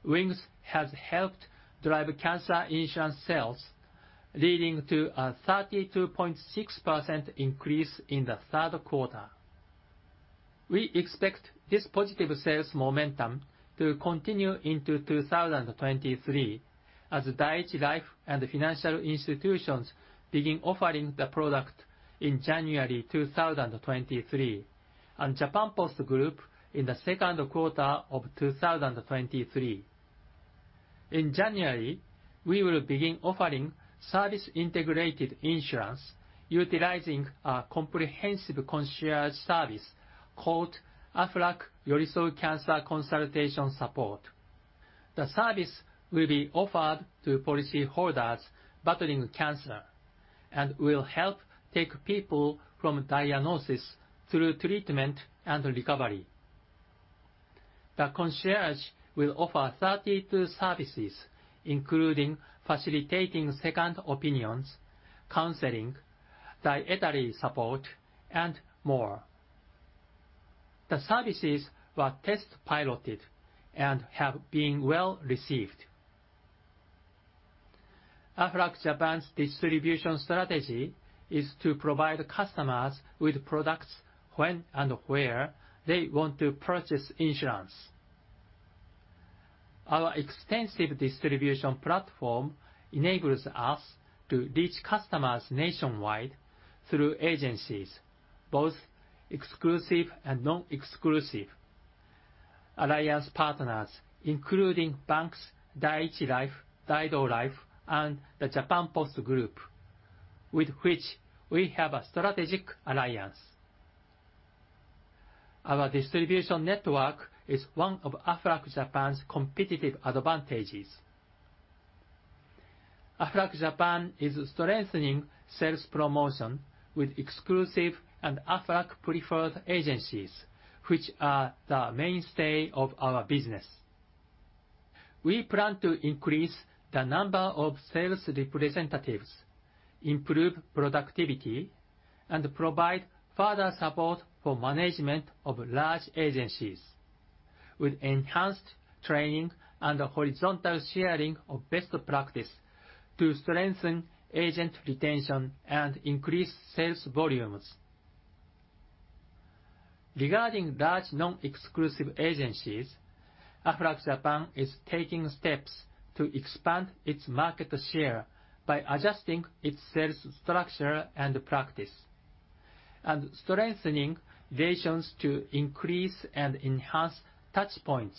Wings has helped drive cancer insurance sales, leading to a 32.6% increase in the third quarter. We expect this positive sales momentum to continue into 2023 as Dai-ichi Life and financial institutions begin offering the product in January 2023, and Japan Post Group in the second quarter of 2023. In January, we will begin offering service integrated insurance utilizing a comprehensive concierge service called Aflac Yorisou Cancer Consultation Support. The service will be offered to policyholders battling cancer and will help take people from diagnosis through treatment and recovery. The concierge will offer 32 services, including facilitating second opinions, counseling, dietary support, and more. The services were test piloted and have been well-received. Aflac Japan's distribution strategy is to provide customers with products when and where they want to purchase insurance. Our extensive distribution platform enables us to reach customers nationwide through agencies, both exclusive and non-exclusive alliance partners, including banks, Dai-ichi Life, Daido Life, and the Japan Post Group, with which we have a strategic alliance. Our distribution network is one of Aflac Japan's competitive advantages. Aflac Japan is strengthening sales promotion with exclusive and Aflac preferred agencies, which are the mainstay of our business. We plan to increase the number of sales representatives, improve productivity, and provide further support for management of large agencies with enhanced training and horizontal sharing of best practice to strengthen agent retention and increase sales volumes. Regarding large non-exclusive agencies, Aflac Japan is taking steps to expand its market share by adjusting its sales structure and practice. Strengthening relations to increase and enhance touch points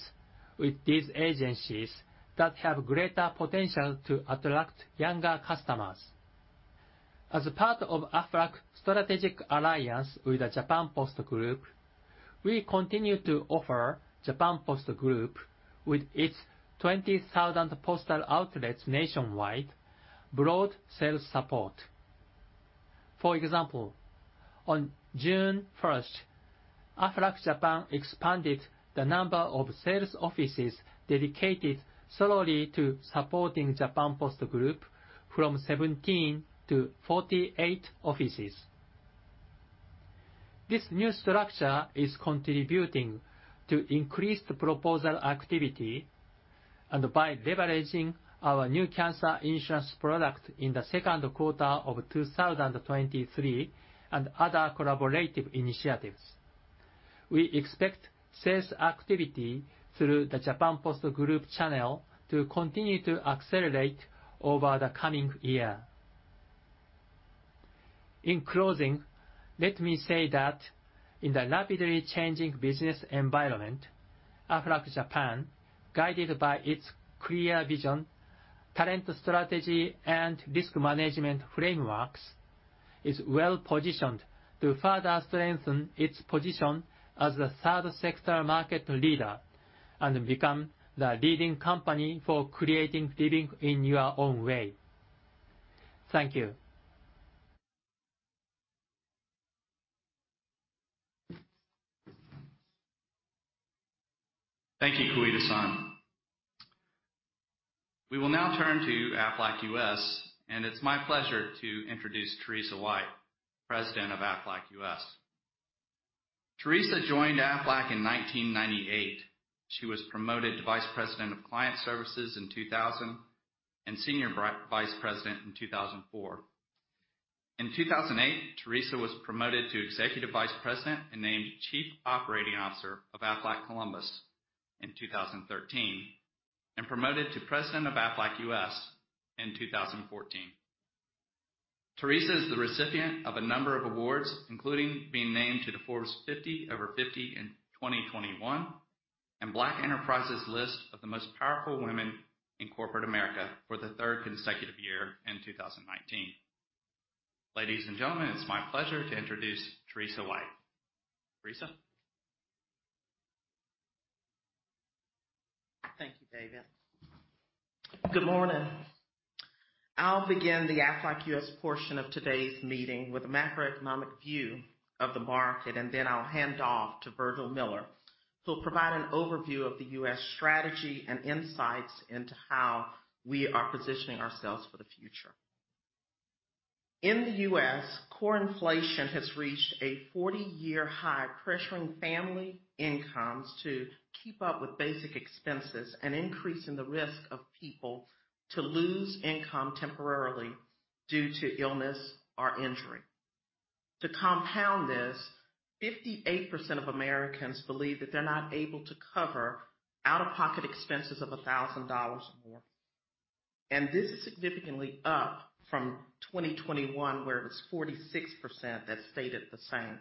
with these agencies that have greater potential to attract younger customers. As part of Aflac strategic alliance with the Japan Post Group, we continue to offer Japan Post Group with its 20,000 postal outlets nationwide, broad sales support. For example, on June 1st, Aflac Japan expanded the number of sales offices dedicated solely to supporting Japan Post Group from 17-48 offices. This new structure is contributing to increased proposal activity, and by leveraging our new cancer insurance product in the second quarter of 2023 and other collaborative initiatives, we expect sales activity through the Japan Post Group channel to continue to accelerate over the coming year. In closing, let me say that in the rapidly changing business environment, Aflac Japan, guided by its clear vision, talent strategy and risk management frameworks, is well-positioned to further strengthen its position as the third sector market leader and become the leading company for creating Living in Your Own Way. Thank you. Thank you, Koide-san. We will now turn to Aflac U.S., and it's my pleasure to introduce Teresa White, President of Aflac U.S. Teresa joined Aflac in 1998. She was promoted to Vice President of Client Services in 2000 and Senior Vice President in 2004. In 2008, Teresa was promoted to Executive Vice President and named Chief Operating Officer of Aflac Columbus in 2013, and promoted to President of Aflac U.S. in 2014. Teresa is the recipient of a number of awards, including being named to the Forbes 50 over 50 in 2021, and Black Enterprise's list of the most powerful women in corporate America for the third consecutive year in 2019. Ladies and gentlemen, it's my pleasure to introduce Teresa White. Teresa. Thank you, David. Good morning. I'll begin the Aflac U.S. portion of today's meeting with a macroeconomic view of the market, and then I'll hand off to Virgil Miller, who'll provide an overview of the U.S. strategy and insights into how we are positioning ourselves for the future. In the U.S., core inflation has reached a 40-year high, pressuring family incomes to keep up with basic expenses and increasing the risk of people to lose income temporarily due to illness or injury. To compound this, 58% of Americans believe that they're not able to cover out-of-pocket expenses of $1,000 or more, and this is significantly up from 2021, where it was 46% that stated the same.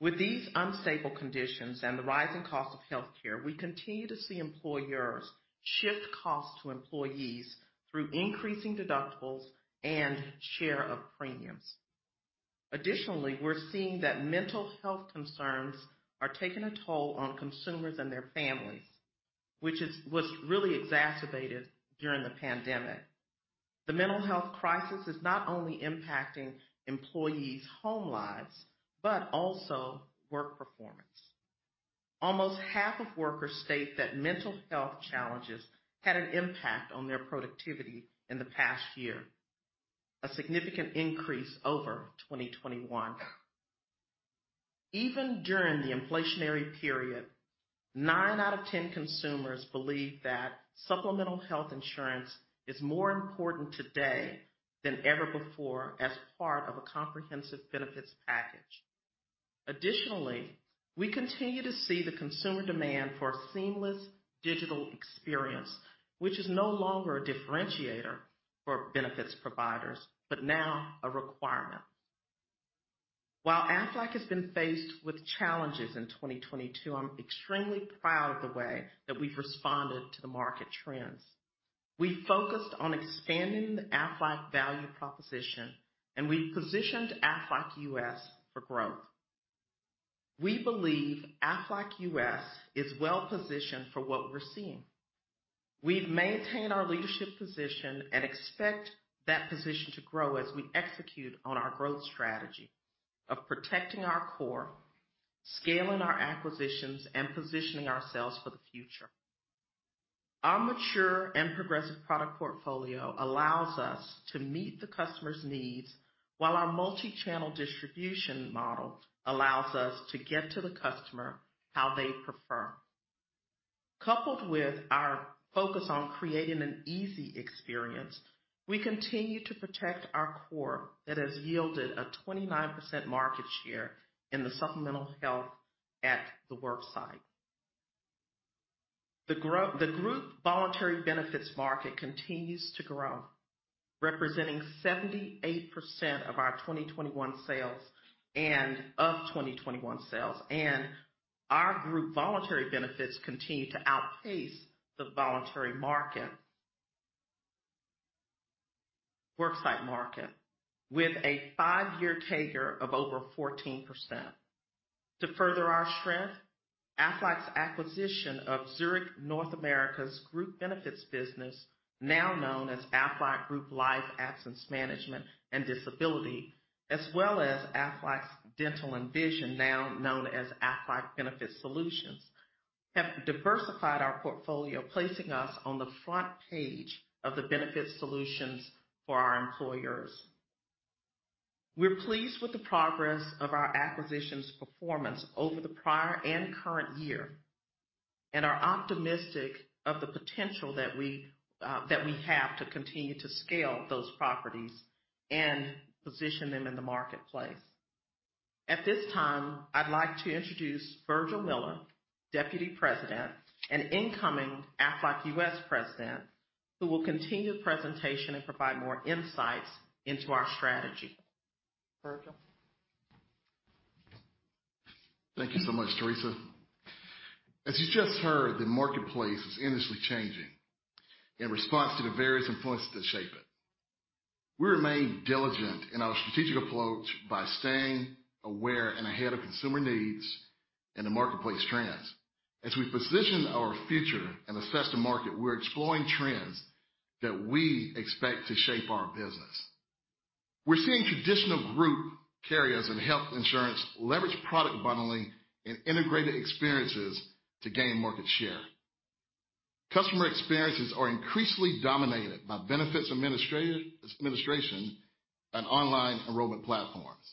With these unstable conditions and the rising cost of healthcare, we continue to see employers shift costs to employees through increasing deductibles and share of premiums. Additionally, we're seeing that mental health concerns are taking a toll on consumers and their families, which was really exacerbated during the pandemic. The mental health crisis is not only impacting employees' home lives, but also work performance. Almost half of workers state that mental health challenges had an impact on their productivity in the past year, a significant increase over 2021. Even during the inflationary period, nine out of 10 consumers believe that supplemental health insurance is more important today than ever before as part of a comprehensive benefits package. Additionally, we continue to see the consumer demand for a seamless digital experience, which is no longer a differentiator for benefits providers, but now a requirement. While Aflac has been faced with challenges in 2022, I'm extremely proud of the way that we've responded to the market trends. We focused on expanding the Aflac value proposition, and we've positioned Aflac U.S. For growth. We believe Aflac U.S. is well positioned for what we're seeing. We've maintained our leadership position and expect that position to grow as we execute on our growth strategy of protecting our core, scaling our acquisitions, and positioning ourselves for the future. Our mature and progressive product portfolio allows us to meet the customer's needs, while our multichannel distribution model allows us to get to the customer how they prefer. Coupled with our focus on creating an easy experience, we continue to protect our core that has yielded a 29% market share in the supplemental health at the worksite. The group voluntary benefits market continues to grow, representing 78% of our 2021 sales. Our group voluntary benefits continue to outpace the voluntary market, worksite market with a five-year CAGR of over 14%. To further our strength, Aflac's acquisition of Zurich North America's Group Benefits business, now known as Aflac Group Life, Absence and Disability, as well as Aflac's Dental and Vision, now known as Aflac Benefit Solutions, have diversified our portfolio, placing us on the front page of the benefit solutions for our employers. We're pleased with the progress of our acquisitions performance over the prior and current year, and are optimistic of the potential that we have to continue to scale those properties and position them in the marketplace. At this time, I'd like to introduce Virgil Miller, Deputy President and incoming Aflac U.S. President, who will continue the presentation and provide more insights into our strategy. Virgil? Thank you so much, Teresa. As you just heard, the marketplace is endlessly changing in response to the various influences that shape it. We remain diligent in our strategic approach by staying aware and ahead of consumer needs and the marketplace trends. As we position our future and assess the market, we're exploring trends that we expect to shape our business. We're seeing traditional group carriers and health insurance leverage product bundling and integrated experiences to gain market share. Customer experiences are increasingly dominated by benefits administration and online enrollment platforms.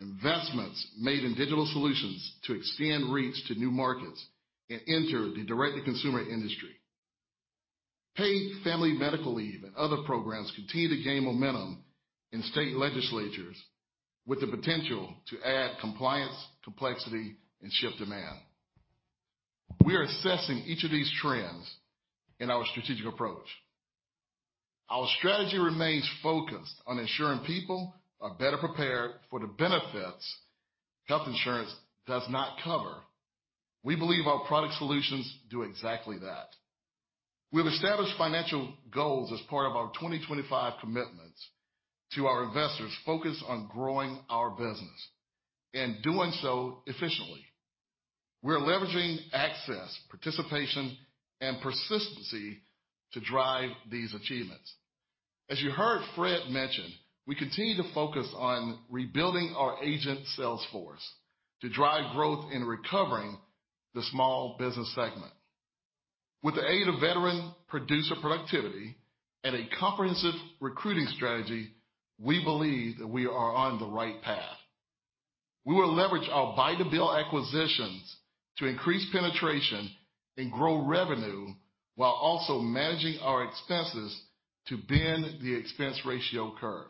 Investments made in digital solutions to extend reach to new markets and enter the direct-to-consumer industry. Paid family medical leave and other programs continue to gain momentum in state legislatures with the potential to add compliance, complexity, and shift demand. We are assessing each of these trends in our strategic approach. Our strategy remains focused on ensuring people are better prepared for the benefits health insurance does not cover. We believe our product solutions do exactly that. We have established financial goals as part of our 2025 commitments to our investors focused on growing our business and doing so efficiently. We're leveraging access, participation, and persistency to drive these achievements. As you heard Fred mention, we continue to focus on rebuilding our agent sales force to drive growth in recovering the small business segment. With the aid of veteran producer productivity and a comprehensive recruiting strategy, we believe that we are on the right path. We will leverage our Buy-to-Build acquisitions to increase penetration and grow revenue while also managing our expenses to bend the expense ratio curve.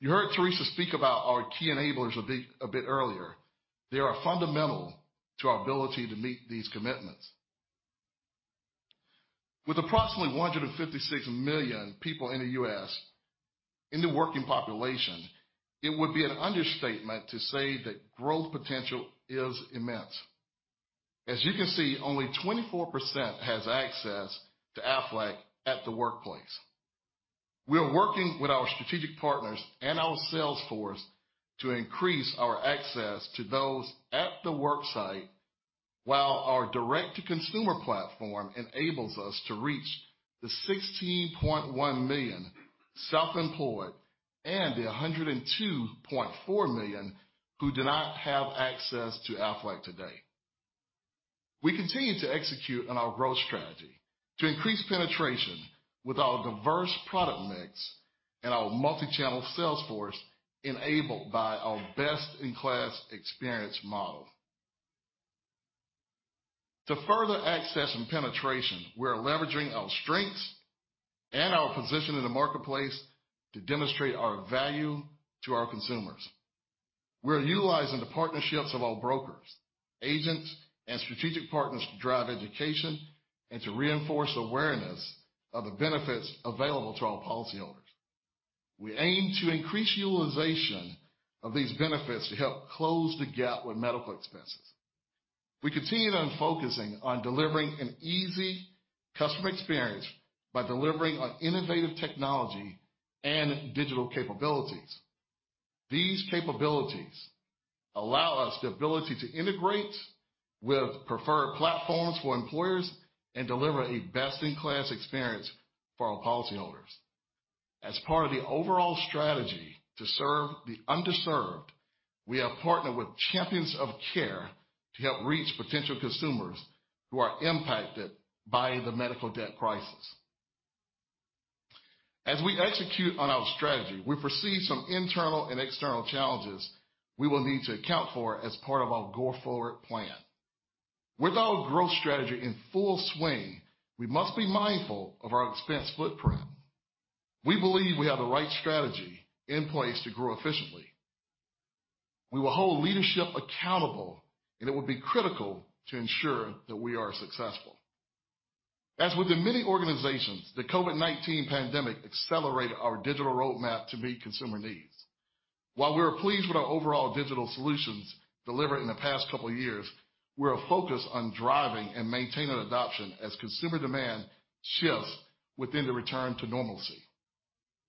You heard Teresa speak about our key enablers a bit earlier. They are fundamental to our ability to meet these commitments. With approximately 156 million people in the U.S. in the working population, it would be an understatement to say that growth potential is immense. As you can see, only 24% has access to Aflac at the workplace. We are working with our strategic partners and our sales force to increase our access to those at the work site, while our direct to consumer platform enables us to reach the 16.1 million self-employed and the 102.4 million who do not have access to Aflac today. We continue to execute on our growth strategy to increase penetration with our diverse product mix and our multichannel sales force enabled by our best-in-class experience model. To further access and penetration, we are leveraging our strengths and our position in the marketplace to demonstrate our value to our consumers. We are utilizing the partnerships of our brokers, agents, and strategic partners to drive education and to reinforce awareness of the benefits available to our policyholders. We aim to increase utilization of these benefits to help Close the Gap with medical expenses. We continue on focusing on delivering an easy customer experience by delivering on innovative technology and digital capabilities. These capabilities allow us the ability to integrate with preferred platforms for employers and deliver a best-in-class experience for our policyholders. As part of the overall strategy to serve the underserved, we have partnered with Champions of Care to help reach potential consumers who are impacted by the medical debt crisis. As we execute on our strategy, we foresee some internal and external challenges we will need to account for as part of our go-forward plan. With our growth strategy in full swing, we must be mindful of our expense footprint. We believe we have the right strategy in place to grow efficiently. We will hold leadership accountable, and it will be critical to ensure that we are successful. As with the many organizations, the COVID-19 pandemic accelerated our digital roadmap to meet consumer needs. While we are pleased with our overall digital solutions delivered in the past couple of years, we're focused on driving and maintaining adoption as consumer demand shifts within the return to normalcy.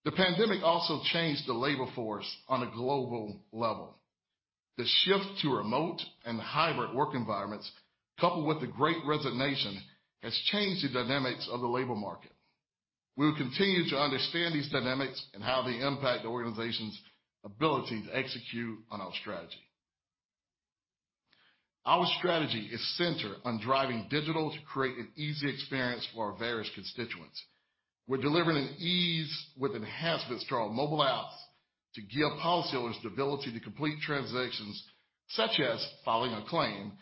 The pandemic also changed the labor force on a global level. The shift to remote and hybrid work environments, coupled with the Great Resignation, has changed the dynamics of the labor market. We will continue to understand these dynamics and how they impact the organization's ability to execute on our strategy. Our strategy is centered on driving digital to create an easy experience for our various constituents. We're delivering ease with enhancements to our mobile apps to give policyholders the ability to complete transactions such as filing a claim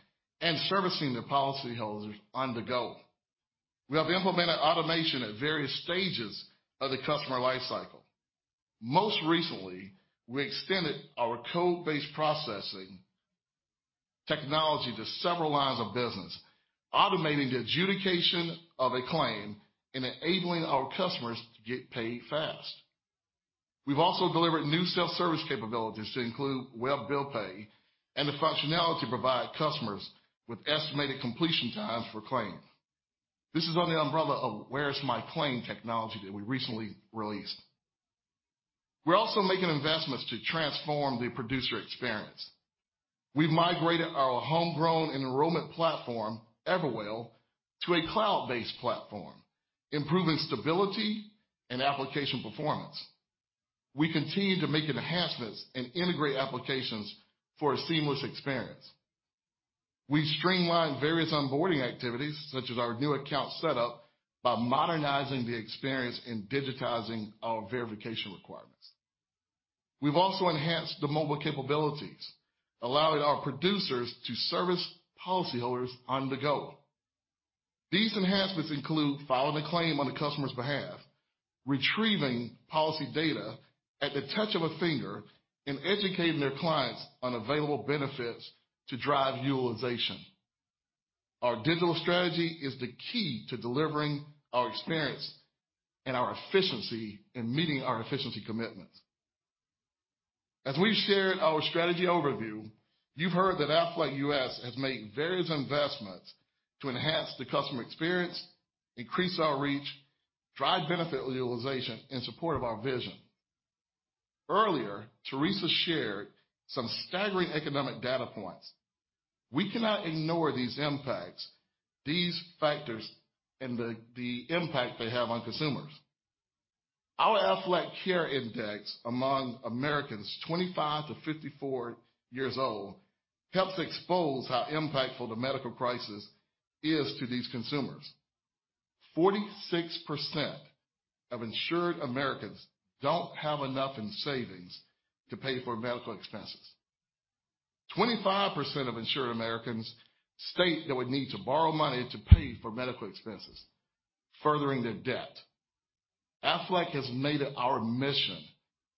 and servicing their policies on the go. We have implemented automation at various stages of the customer life cycle. Most recently, we extended our code-based processing technology to several lines of business, automating the adjudication of a claim and enabling our customers to get paid fast. We've also delivered new self-service capabilities to include web bill pay and the functionality to provide customers with estimated completion times for claims. This is under the umbrella of Where's My Claim technology that we recently released. We're also making investments to transform the producer experience. We've migrated our homegrown enrollment platform, Everwell, to a cloud-based platform, improving stability and application performance. We continue to make enhancements and integrate applications for a seamless experience. We streamlined various onboarding activities, such as our new account setup, by modernizing the experience and digitizing our verification requirements. We've also enhanced the mobile capabilities, allowing our producers to service policyholders on the go. These enhancements include filing a claim on the customer's behalf, retrieving policy data at the touch of a finger, and educating their clients on available benefits to drive utilization. Our digital strategy is the key to delivering our experience and our efficiency in meeting our efficiency commitments. As we've shared our strategy overview, you've heard that Aflac U.S. has made various investments to enhance the customer experience, increase our reach, drive benefit utilization in support of our vision. Earlier, Teresa shared some staggering economic data points. We cannot ignore these impacts, these factors, and the impact they have on consumers. Our Aflac Care Index among Americans 25-54 years old helps expose how impactful the medical crisis is to these consumers. 46% of insured Americans don't have enough in savings to pay for medical expenses. 25% of insured Americans state they would need to borrow money to pay for medical expenses, furthering their debt. Aflac has made it our mission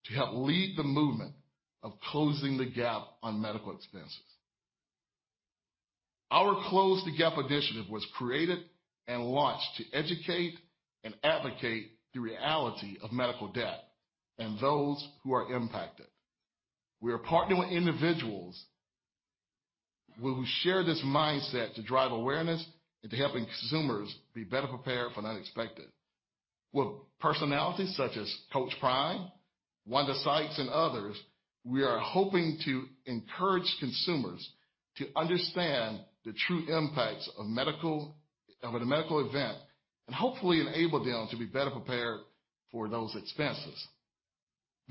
to help lead the movement of closing the gap on medical expenses. Our Close the Gap initiative was created and launched to educate and advocate the reality of medical debt and those who are impacted. We are partnering with individuals who share this mindset to drive awareness and to help consumers be better prepared for the unexpected. With personalities such as Coach Prime, Wanda Sykes, and others, we Are hoping to encourage consumers to understand the true impacts of a medical event and hopefully enable them to be better prepared for those expenses.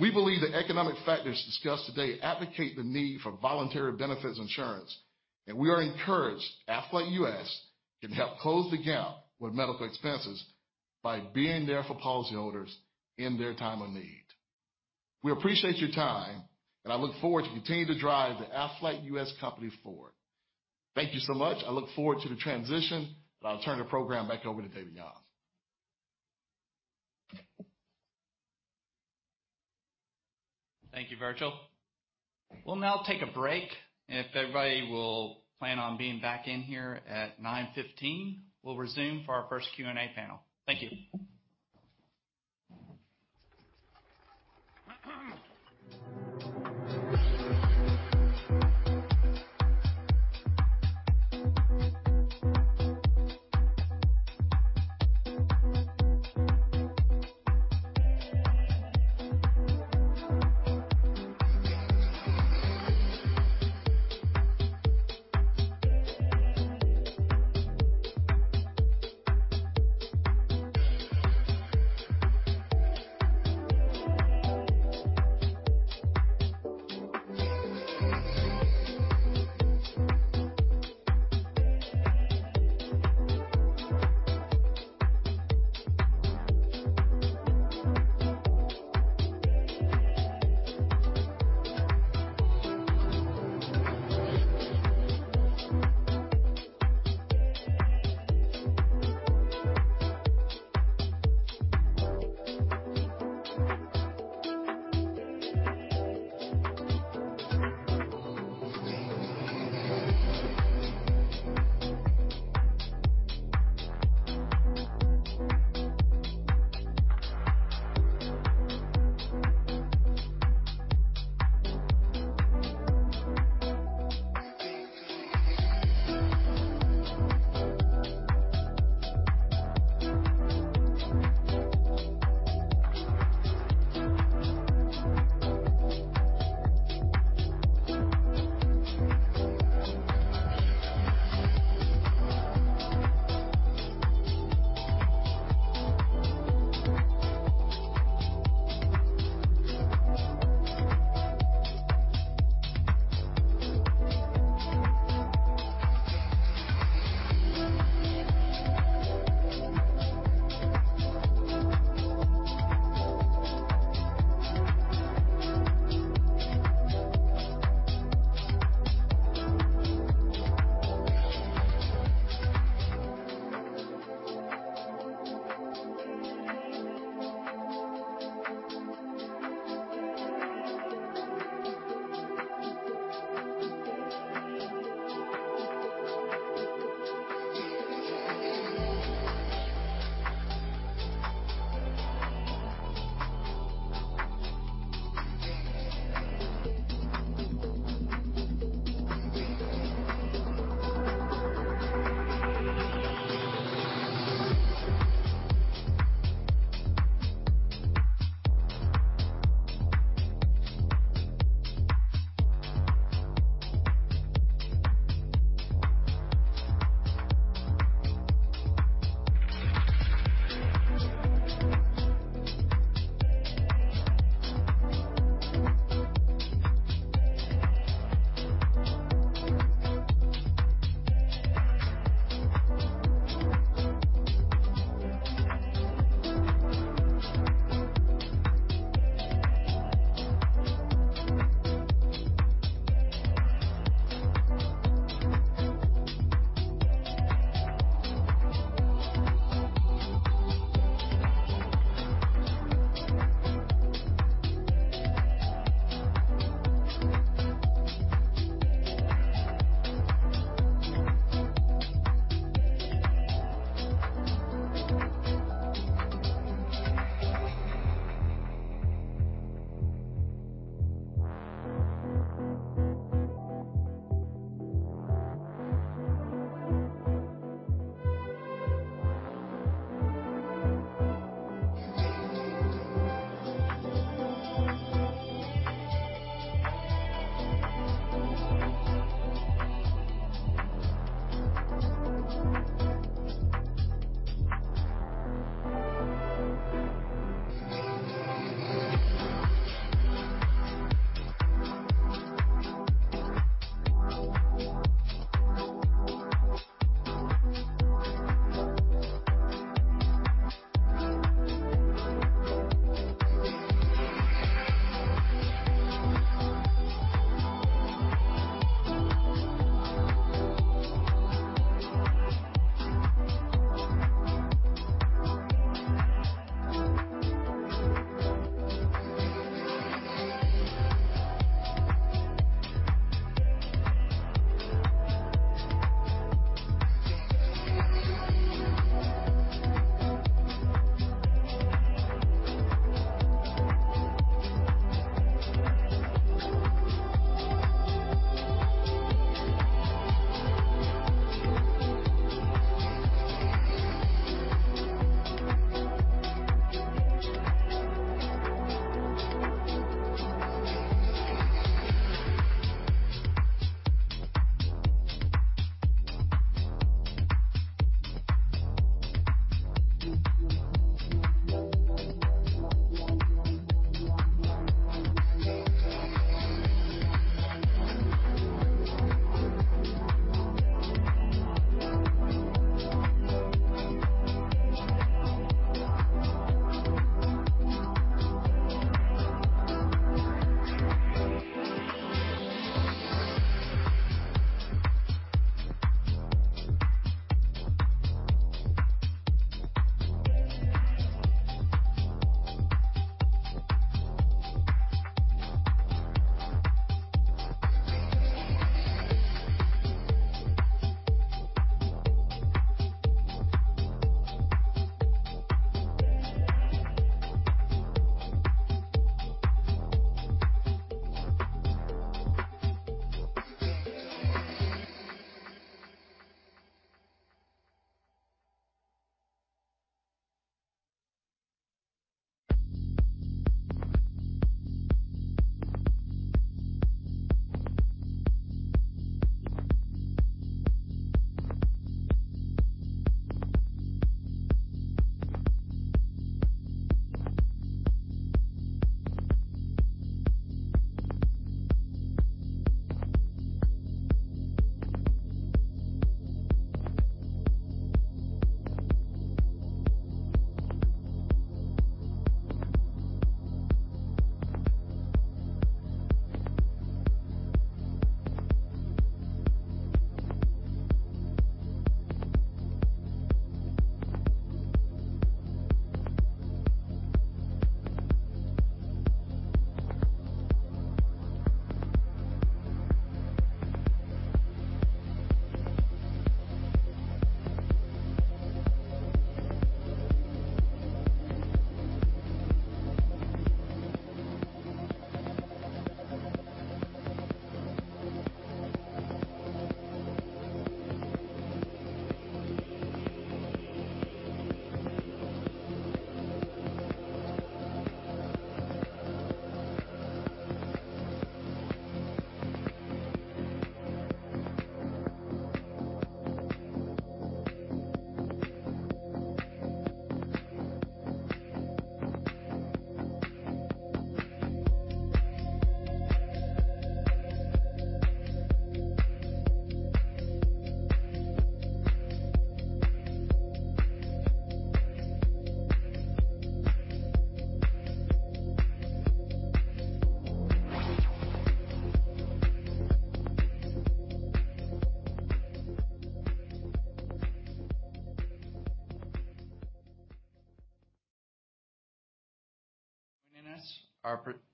We believe the economic factors discussed today advocate the need for voluntary benefits insurance, and we are encouraged Aflac U.S. Can help Close the Gap with medical expenses by being there for policyholders in their time of need. We appreciate your time, and I look forward to continuing to drive the Aflac U.S. company forward. Thank you so much. I look forward to the transition, and I'll turn the program back over to David Young. Thank you, Virgil. We'll now take a break. If everybody will plan on being back in here at 9:15 A.M., we'll resume for our first Q&A panel. Thank you.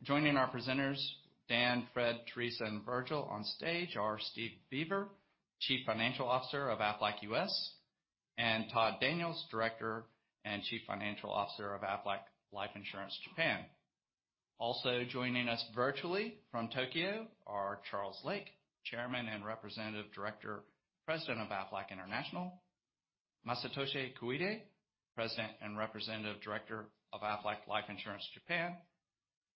Joining our presenters, Dan, Fred, Teresa, and Virgil on stage are Steve Beaver, Chief Financial Officer of Aflac U.S., and Todd Daniels, Director and Chief Financial Officer of Aflac Life Insurance Japan. Also joining us virtually from Tokyo are Charles Lake, Chairman and Representative Director, President of Aflac International, Masatoshi Koide, President and Representative Director of Aflac Life Insurance Japan,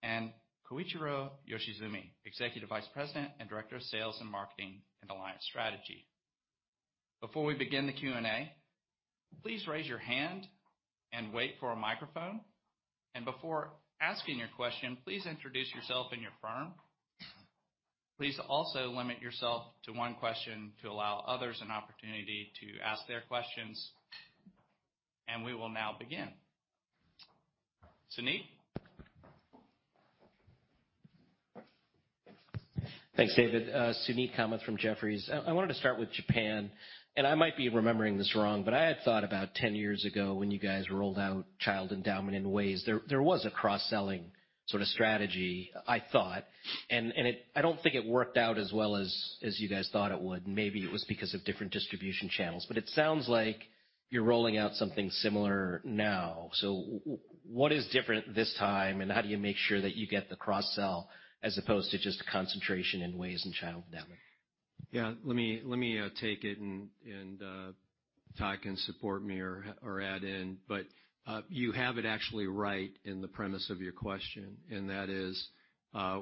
and Koichiro Yoshizumi, Executive Vice President and Director of Sales and Marketing and Alliance Strategy. Before we begin the Q&A, please raise your hand and wait for a microphone, and before asking your question, please introduce yourself and your firm. Please also limit yourself to one question to allow others an opportunity to ask their questions. We will now begin. Suneet? Thanks, David. Suneet Kamath from Jefferies. I wanted to start with Japan, and I might be remembering this wrong, but I had thought about 10 years ago when you guys rolled out child endowment in WAYS, there was a cross-selling sort of strategy, I thought, and it. I don't think it worked out as well as you guys thought it would, and maybe it was because of different distribution channels. It sounds like you're rolling out something similar now. What is different this time, and how do you make sure that you get the cross-sell as opposed to just a concentration in WAYS and child endowment? Yeah. Let me take it and Todd can support me or add in. You have it actually right in the premise of your question. That is,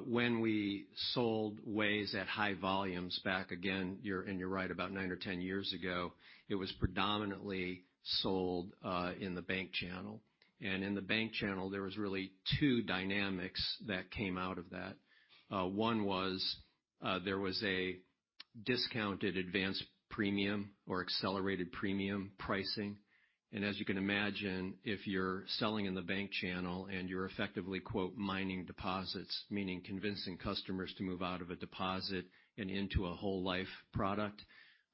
when we sold WAYS at high volumes back again. You're right, about nine or 10 years ago, it was predominantly sold in the bank channel. In the bank channel, there was really two dynamics that came out of that. One was, there was a discounted advanced premium or accelerated premium pricing. As you can imagine, if you're selling in the bank channel and you're effectively, quote, "mining deposits," meaning convincing customers to move out of a deposit and into a whole life product,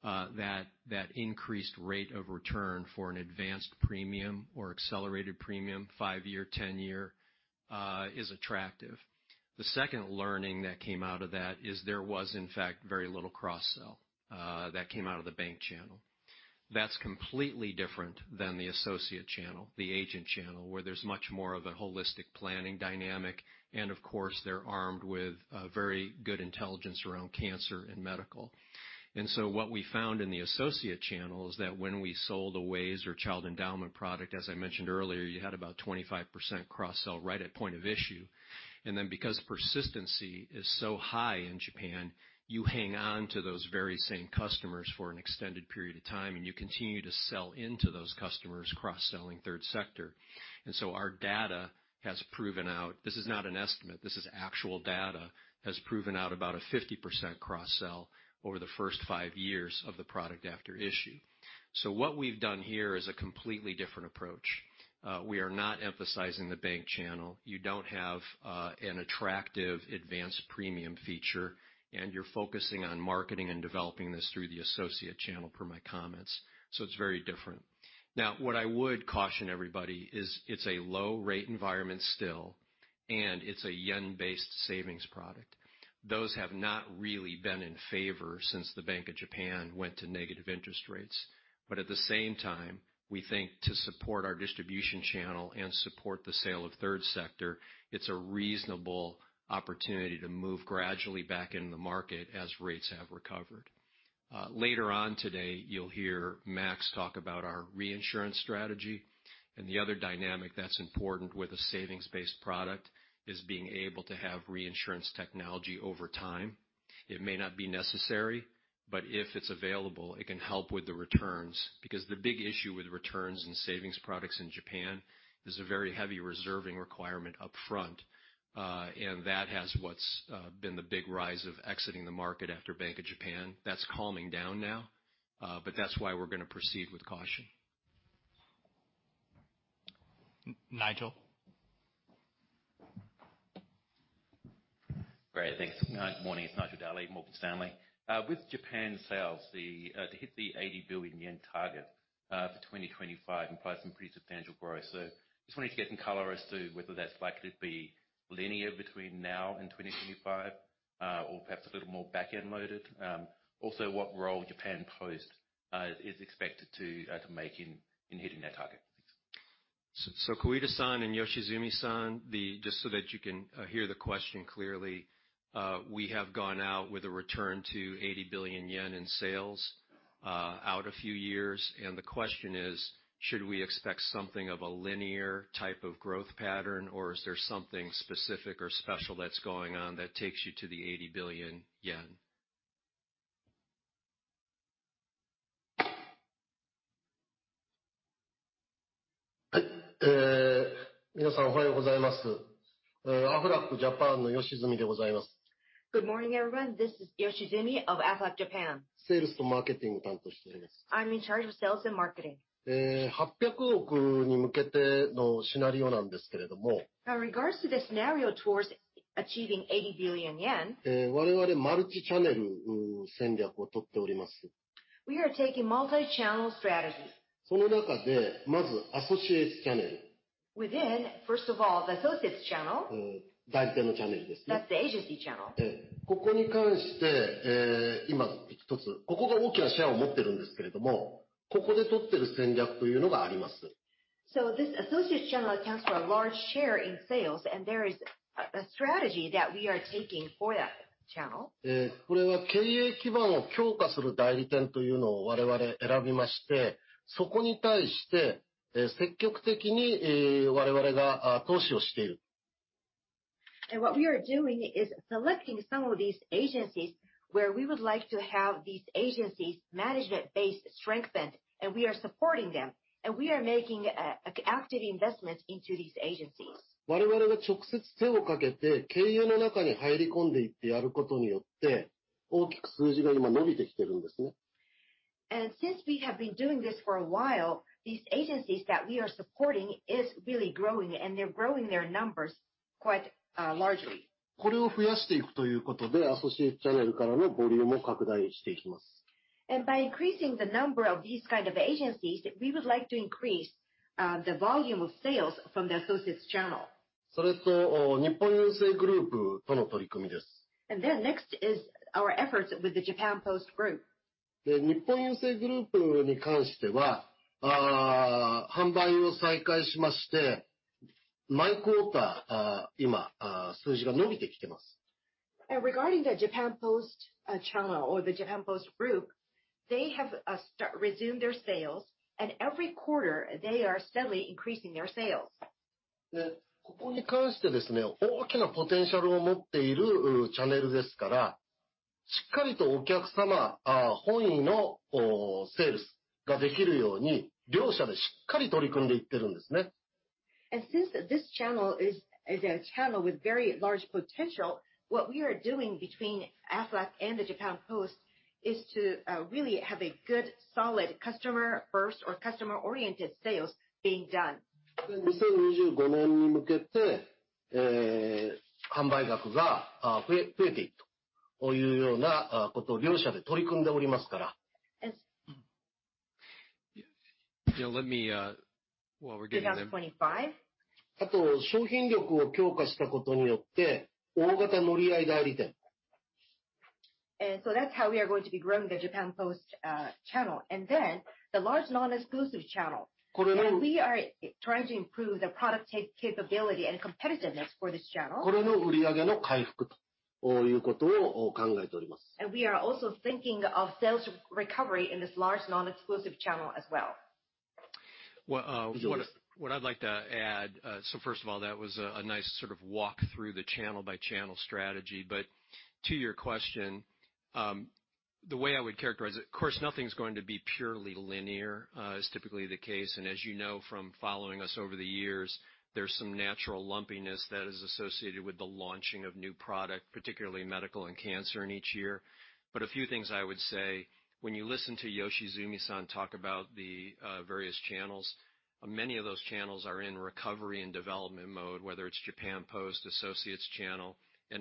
that increased rate of return for an advanced premium or accelerated premium five-year, 10-year, is attractive. The second learning that came out of that is there was, in fact, very little cross-sell that came out of the bank channel. That's completely different than the associate channel, the agent channel, where there's much more of a holistic planning dynamic, and of course, they're armed with very good intelligence around cancer and medical. What we found in the associate channel is that when we sold a WAYS or child endowment product, as I mentioned earlier, you had about 25% cross-sell right at point of issue. Because persistency is so high in Japan, you hang on to those very same customers for an extended period of time, and you continue to sell into those customers cross-selling third sector. Our data has proven out. This is not an estimate, this is actual data, has proven out about a 50% cross-sell over the first five years of the product after issue. What we've done here is a completely different approach. We are not emphasizing the bank channel. You don't have an attractive advanced premium feature, and you're focusing on marketing and developing this through the associate channel per my comments. It's very different. Now, what I would caution everybody is it's a low rate environment still, and it's a yen-based savings product. Those have not really been in favor since the Bank of Japan went to negative interest rates. At the same time, we think to support our distribution channel and support the sale of third sector, it's a reasonable opportunity to move gradually back into the market as rates have recovered. Later on today, you'll hear Max talk about our reinsurance strategy and the other dynamic that's important with a savings-based product is being able to have reinsurance capacity over time. It may not be necessary, but if it's available, it can help with the returns. Because the big issue with returns and savings products in Japan is a very heavy reserving requirement upfront, and that's what's been the big reason for exiting the market after Bank of Japan. That's calming down now, but that's why we're gonna proceed with caution. Nigel? Great. Thanks. Good morning, it's Nigel Dally, Morgan Stanley. With Japan sales to hit the 80 billion yen target for 2025 implies some pretty substantial growth. Just wanted to get some color as to whether that's likely to be linear between now and 2025, or perhaps a little more back-end loaded. Also, what role Japan Post is expected to make in hitting that target? Thanks. Koide-san and Yoshizumi-san, just so that you can hear the question clearly, we have gone out with a return to 80 billion yen in sales, out a few years. The question is, should we expect something of a linear type of growth pattern, or is there something specific or special that's going on that takes you to the JPY 80 billion? Good morning, everyone. This is Koichiro Yoshizumi of Aflac Japan. I'm in charge of sales and marketing. Now, regards to the scenario towards achieving 80 billion yen. We are taking multichannel strategy. Within, first of all, the associates channel. That's the agency channel. This associates channel accounts for a large share in sales, and there is a strategy that we are taking for that channel. What we are doing is selecting some of these agencies where we would like to have these agencies' management base strengthened, and we are supporting them. We are making an active investment into these agencies. Since we have been doing this for a while, these agencies that we are supporting is really growing, and they're growing their numbers quite largely. By increasing the number of these kind of agencies, we would like to increase the volume of sales from the associates channel. Then next is our efforts with the Japan Post Group. Regarding the Japan Post channel or the Japan Post Group, they have resumed their sales, and every quarter they are steadily increasing their sales. Since this channel is a channel with very large potential, what we are doing between Aflac and the Japan Post is to really have a good solid customer first or customer-oriented sales being done. Yeah, let me, while we're getting them- 2025. That's how we are going to be growing the Japan Post channel. Then the large non-exclusive channel. We are trying to improve the product capability and competitiveness for this channel. We are also thinking of sales recovery in this large non-exclusive channel as well. Well, what I'd like to add, so first of all, that was a nice sort of walk through the channel-by-channel strategy. To your question, the way I would characterize it, of course, nothing's going to be purely linear, is typically the case. As you know from following us over the years, there's some natural lumpiness that is associated with the launching of new product, particularly medical and cancer, in each year. A few things I would say, when you listen to Yoshizumi-san talk about the various channels, many of those channels are in recovery and development mode, whether it's Japan Post, associates channel.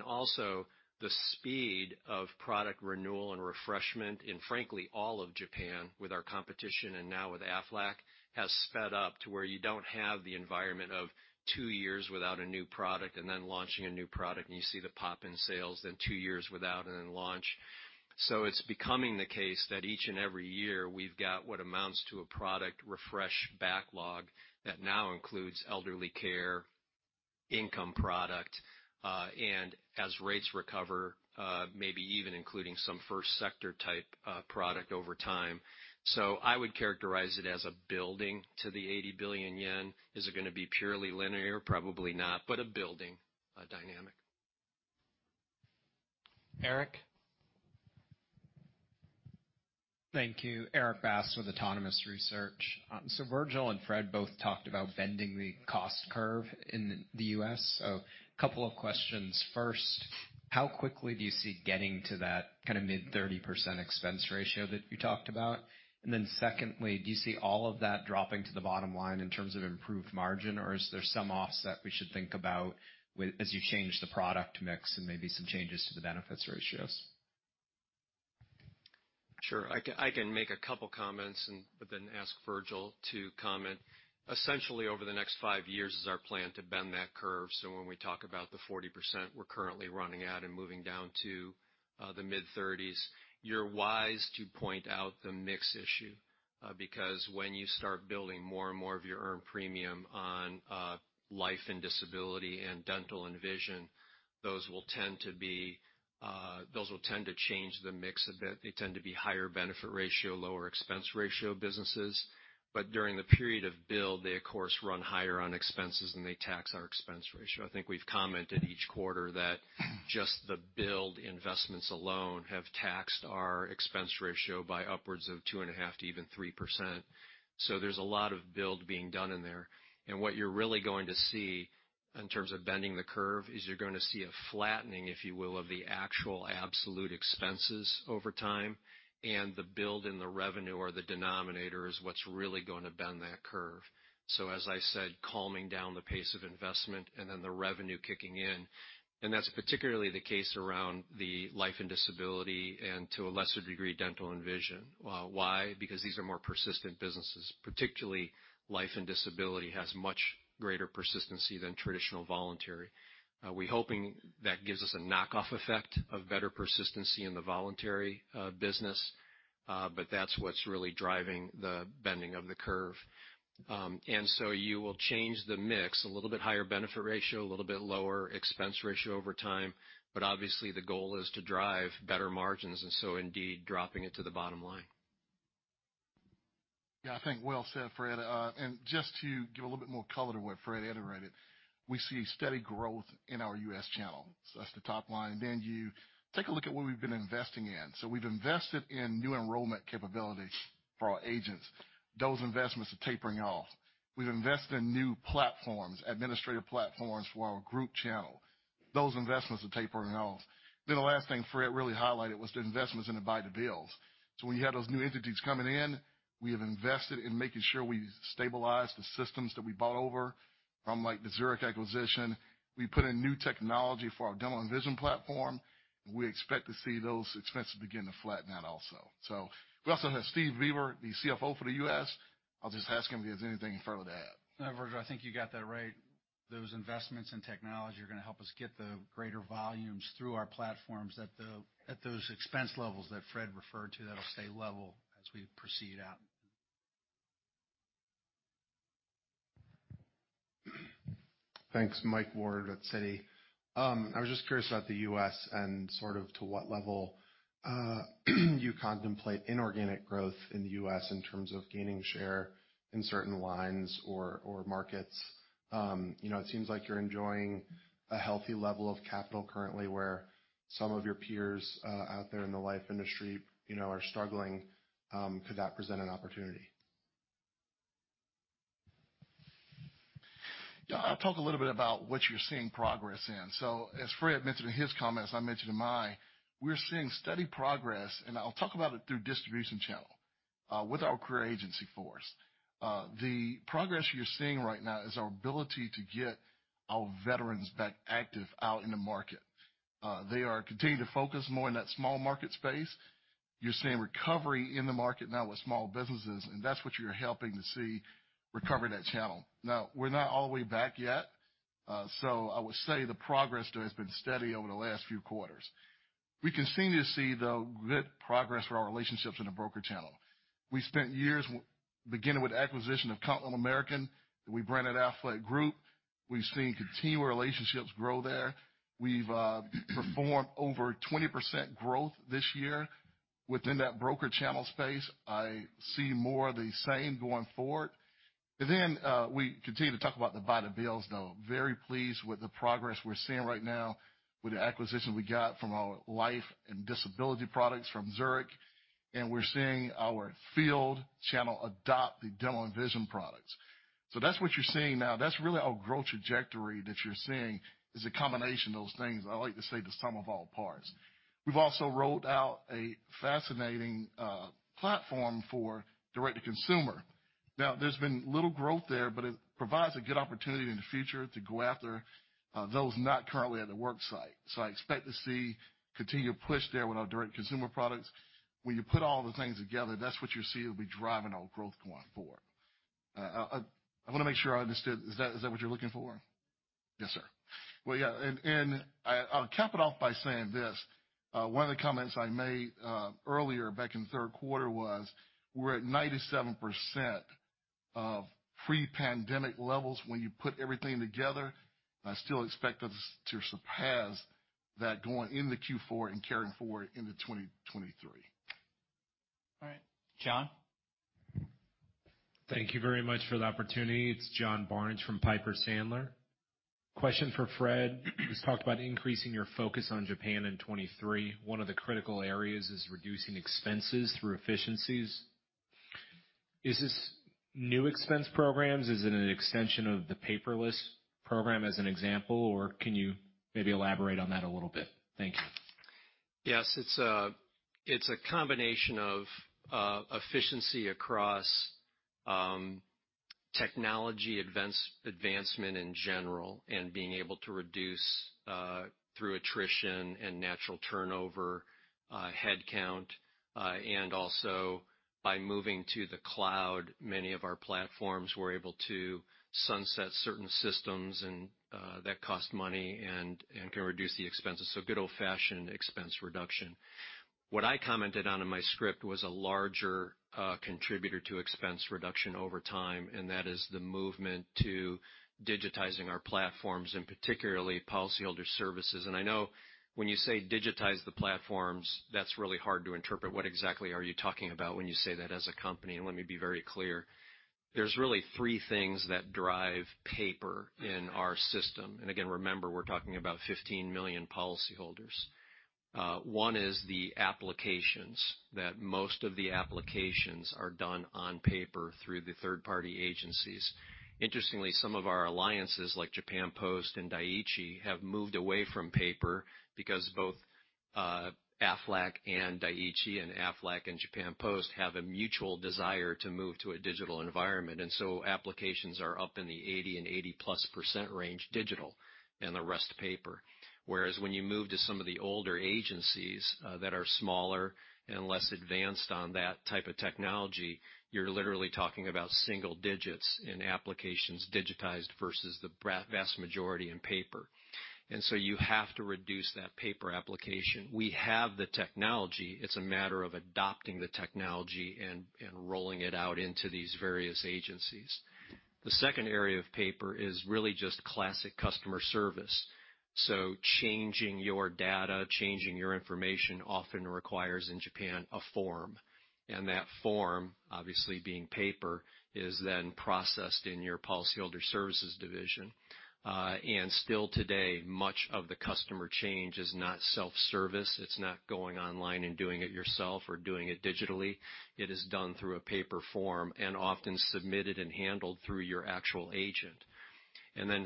Also the speed of product renewal and refreshment in, frankly, all of Japan with our competition and now with Aflac, has sped up to where you don't have the environment of two years without a new product and then launching a new product, and you see the pop in sales, then two years without and then launch. It's becoming the case that each and every year we've got what amounts to a product refresh backlog that now includes elderly care, income product, and as rates recover, maybe even including some First Sector type product over time. I would characterize it as a building to the 80 billion yen. Is it gonna be purely linear? Probably not. But a building dynamic. Eric? Thank you. Erik Bass with Autonomous Research. Virgil and Fred both talked about bending the cost curve in the U.S. Couple of questions. First, how quickly do you see getting to that kind of mid-30% expense ratio that you talked about? And then secondly, do you see all of that dropping to the bottom line in terms of improved margin, or is there some offset we should think about with, as you change the product mix and maybe some changes to the benefits ratios? Sure. I can make a couple comments, but then ask Virgil to comment. Essentially, over the next five years is our plan to bend that curve. When we talk about the 40% we're currently running at and moving down to the mid-30s, you're wise to point out the mix issue. Because when you start building more and more of your earned premium on life and disability and dental and vision, those will tend to change the mix a bit. They tend to be higher benefit ratio, lower expense ratio businesses. During the period of build, they of course run higher on expenses, and they tax our expense ratio. I think we've commented each quarter that just the build investments alone have taxed our expense ratio by upwards of 2.5 to even 3%. There's a lot of build being done in there. What you're really going to see in terms of bending the curve is you're gonna see a flattening, if you will, of the actual absolute expenses over time, and the build in the revenue or the denominator is what's really gonna bend that curve. As I said, calming down the pace of investment and then the revenue kicking in. That's particularly the case around the life and disability and, to a lesser degree, dental and vision. Why? Because these are more persistent businesses, particularly life and disability has much greater persistency than traditional voluntary. We're hoping that gives us a knock-on effect of better persistency in the voluntary business, but that's what's really driving the bending of the curve. You will change the mix, a little bit higher benefit ratio, a little bit lower expense ratio over time. Obviously the goal is to drive better margins and so indeed dropping it to the bottom line. Yeah, I think well said, Fred. Just to give a little bit more color to what Fred iterated, we see steady growth in our U.S. channel. That's the top line. You take a look at what we've been investing in. We've invested in new enrollment capabilities for our agents. Those investments are tapering off. We've invested in new platforms, administrative platforms for our group channel. Those investments are tapering off. The last thing Fred really highlighted was the investments in the Buy-to-Build. When you have those new entities coming in, we have invested in making sure we stabilize the systems that we bought over from, like, the Zurich acquisition. We put in new technology for our dental and vision platform. We expect to see those expenses begin to flatten out also. We also have Steve Beaver, the CFO for the U.S. I'll just ask him if he has anything further to add. No, Virgil, I think you got that right. Those investments in technology are gonna help us get the greater volumes through our platforms at those expense levels that Fred referred to that'll stay level as we proceed out. Thanks. Michael Ward at Citi. I was just curious about the U.S. and sort of to what level you contemplate inorganic growth in the U.S. in terms of gaining share in certain lines or markets. You know, it seems like you're enjoying a healthy level of capital currently where some of your peers out there in the life industry, you know, are struggling. Could that present an opportunity? Yeah. I'll talk a little bit about what you're seeing progress in. As Fred mentioned in his comments, and I mentioned in mine, we're seeing steady progress, and I'll talk about it through distribution channel with our career agency force. The progress you're seeing right now is our ability to get our veterans back active out in the market. They are continuing to focus more in that small market space. You're seeing recovery in the market now with small businesses, and that's what you're helping to see recover that channel. Now, we're not all the way back yet, so I would say the progress has been steady over the last few quarters. We continue to see, though, good progress for our relationships in the broker channel. We spent years beginning with acquisition of Continental American that we branded Aflac Group. We've seen continued relationships grow there. We've performed over 20% growth this year within that broker channel space. I see more of the same going forward. We continue to talk about the Buy-to-Build, though. Very pleased with the progress we're seeing right now with the acquisitions we got from our life and disability products from Zurich, and we're seeing our field channel adopt the dental and vision products. So that's what you're seeing now. That's really our growth trajectory that you're seeing is a combination of those things. I like to say the sum of all parts. We've also rolled out a fascinating platform for direct to consumer. Now, there's been little growth there, but it provides a good opportunity in the future to go after those not currently at the work site. I expect to see continued push there with our direct consumer products. When you put all the things together, that's what you'll see will be driving our growth going forward. I wanna make sure I understood. Is that what you're looking for? Yes, sir. Well, yeah, and I'll cap it off by saying this, one of the comments I made, earlier back in the third quarter was we're at 97% of pre-pandemic levels when you put everything together. I still expect us to surpass that going into Q4 and carrying forward into 2023. All right. John? Thank you very much for the opportunity. It's John Barnidge from Piper Sandler. Question for Fred. You talked about increasing your focus on Japan in 2023. One of the critical areas is reducing expenses through efficiencies. Is this new expense programs? Is it an extension of the paperless program, as an example? Or can you maybe elaborate on that a little bit? Thank you. Yes, it's a combination of efficiency across technology advancement in general, and being able to reduce through attrition and natural turnover headcount, and also by moving to the cloud. Many of our platforms, we're able to sunset certain systems and that cost money and can reduce the expenses. Good old-fashioned expense reduction. What I commented on in my script was a larger contributor to expense reduction over time, and that is the movement to digitizing our platforms and particularly policyholder services. I know when you say digitize the platforms, that's really hard to interpret what exactly are you talking about when you say that as a company. Let me be very clear. There's really three things that drive paper in our system. Again, remember, we're talking about 15 million policyholders. One is the applications that most of the applications are done on paper through the third-party agencies. Interestingly, some of our alliances like Japan Post and Dai-ichi have moved away from paper because both, Aflac and Dai-ichi and Aflac and Japan Post have a mutual desire to move to a digital environment. Applications are up in the 80 and 80%+ range digital, and the rest paper. Whereas when you move to some of the older agencies, that are smaller and less advanced on that type of technology, you're literally talking about single digits in applications digitized versus the vast majority in paper. You have to reduce that paper application. We have the technology. It's a matter of adopting the technology and rolling it out into these various agencies. The second area of paper is really just classic customer service. Changing your data, changing your information often requires, in Japan, a form. That form, obviously being paper, is then processed in your policyholder services division. Still today, much of the customer change is not self-service. It's not going online and doing it yourself or doing it digitally. It is done through a paper form and often submitted and handled through your actual agent.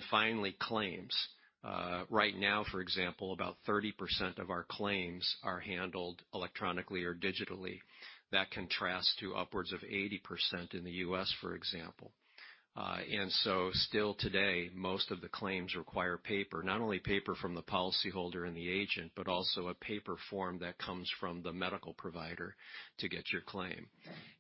Finally, claims. Right now, for example, about 30% of our claims are handled electronically or digitally. That contrasts to upwards of 80% in the U.S., for example. Still today, most of the claims require paper, not only paper from the policyholder and the agent, but also a paper form that comes from the medical provider to get your claim.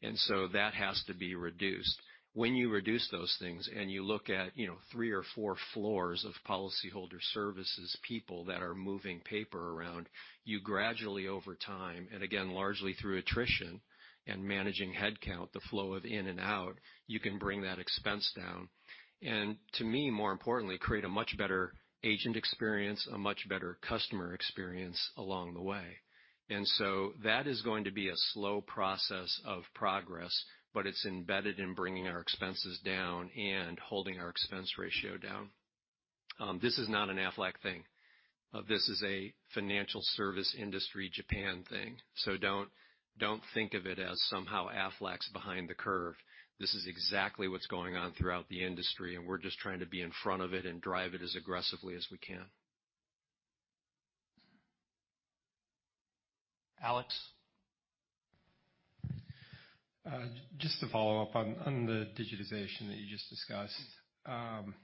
That has to be reduced. When you reduce those things and you look at, you know, three or four floors of policyholder services, people that are moving paper around, you gradually over time, and again, largely through attrition and managing headcount, the flow of in and out, you can bring that expense down. To me, more importantly, create a much better agent experience, a much better customer experience along the way. That is going to be a slow process of progress, but it's embedded in bringing our expenses down and holding our expense ratio down. This is not an Aflac thing. This is a financial service industry Japan thing. Don't think of it as somehow Aflac's behind the curve. This is exactly what's going on throughout the industry, and we're just trying to be in front of it and drive it as aggressively as we can. Alex? Just to follow up on the digitization that you just discussed.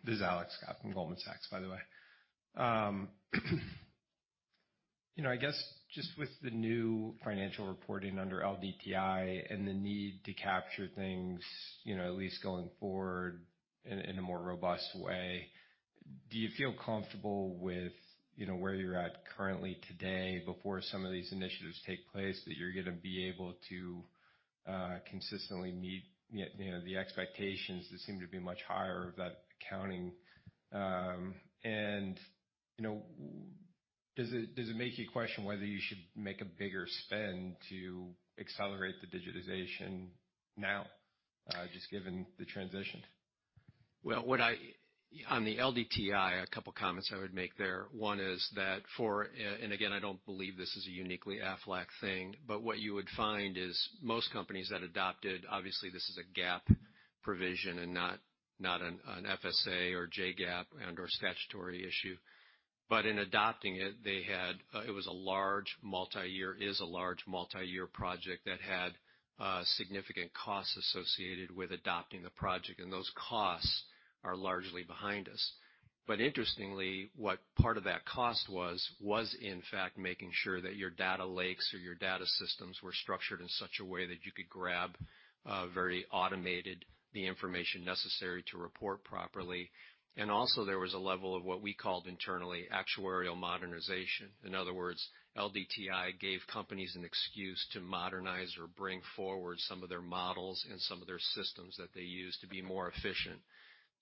This is Alex Scott from Goldman Sachs, by the way. You know, I guess just with the new financial reporting under LDTI and the need to capture things, you know, at least going forward in a more robust way, do you feel comfortable with, you know, where you're at currently today before some of these initiatives take place, that you're gonna be able to consistently meet, you know, the expectations that seem to be much higher of that accounting? You know, does it make you question whether you should make a bigger spend to accelerate the digitization now, just given the transition? On the LDTI, a couple comments I would make there. One is that, and again, I don't believe this is a uniquely Aflac thing, but what you would find is most companies that adopted, obviously, this is a GAAP provision and not an FSA or JGAAP and/or statutory issue. In adopting it was a large multi-year project that had significant costs associated with adopting the project, and those costs are largely behind us. Interestingly, what part of that cost was in fact making sure that your data lakes or your data systems were structured in such a way that you could grab very automated the information necessary to report properly. Also there was a level of what we called internally actuarial modernization. In other words, LDTI gave companies an excuse to modernize or bring forward some of their models and some of their systems that they use to be more efficient.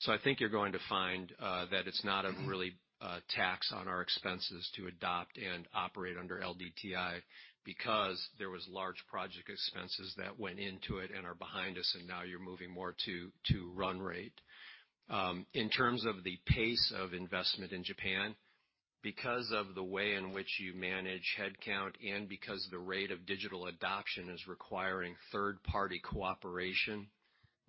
I think you're going to find that it's not a really tax on our expenses to adopt and operate under LDTI because there was large project expenses that went into it and are behind us, and now you're moving more to run rate. In terms of the pace of investment in Japan, because of the way in which you manage headcount and because the rate of digital adoption is requiring third-party cooperation,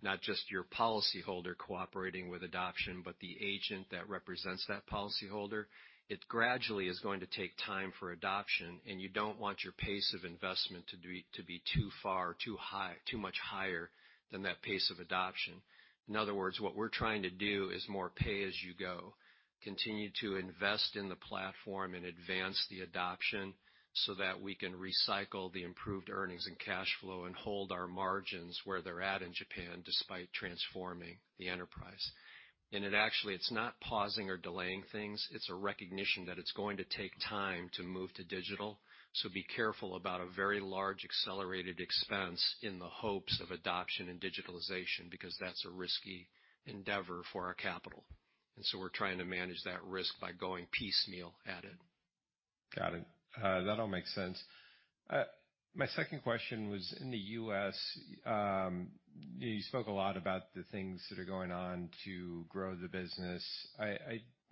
not just your policyholder cooperating with adoption, but the agent that represents that policyholder, it gradually is going to take time for adoption, and you don't want your pace of investment to be too far, too high, too much higher than that pace of adoption. In other words, what we're trying to do is more pay as you go, continue to invest in the platform and advance the adoption so that we can recycle the improved earnings and cash flow and hold our margins where they're at in Japan despite transforming the enterprise. It actually is not pausing or delaying things. It's a recognition that it's going to take time to move to digital. Be careful about a very large accelerated expense in the hopes of adoption and digitalization, because that's a risky endeavor for our capital. We're trying to manage that risk by going piecemeal at it. Got it. That all makes sense. My second question was in the U.S., you spoke a lot about the things that are going on to grow the business.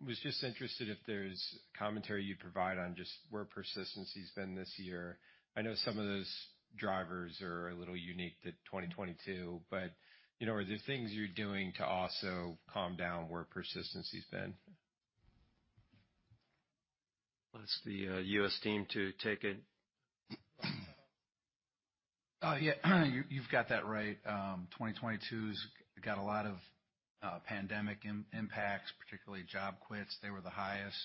I was just interested if there's commentary you'd provide on just where persistency's been this year. I know some of those drivers are a little unique to 2022, but, you know, are there things you're doing to also come down where persistency's been? I'll ask the U.S. team to take it. Yeah. You've got that right. 2022's got a lot of pandemic impacts, particularly job quits. They were the highest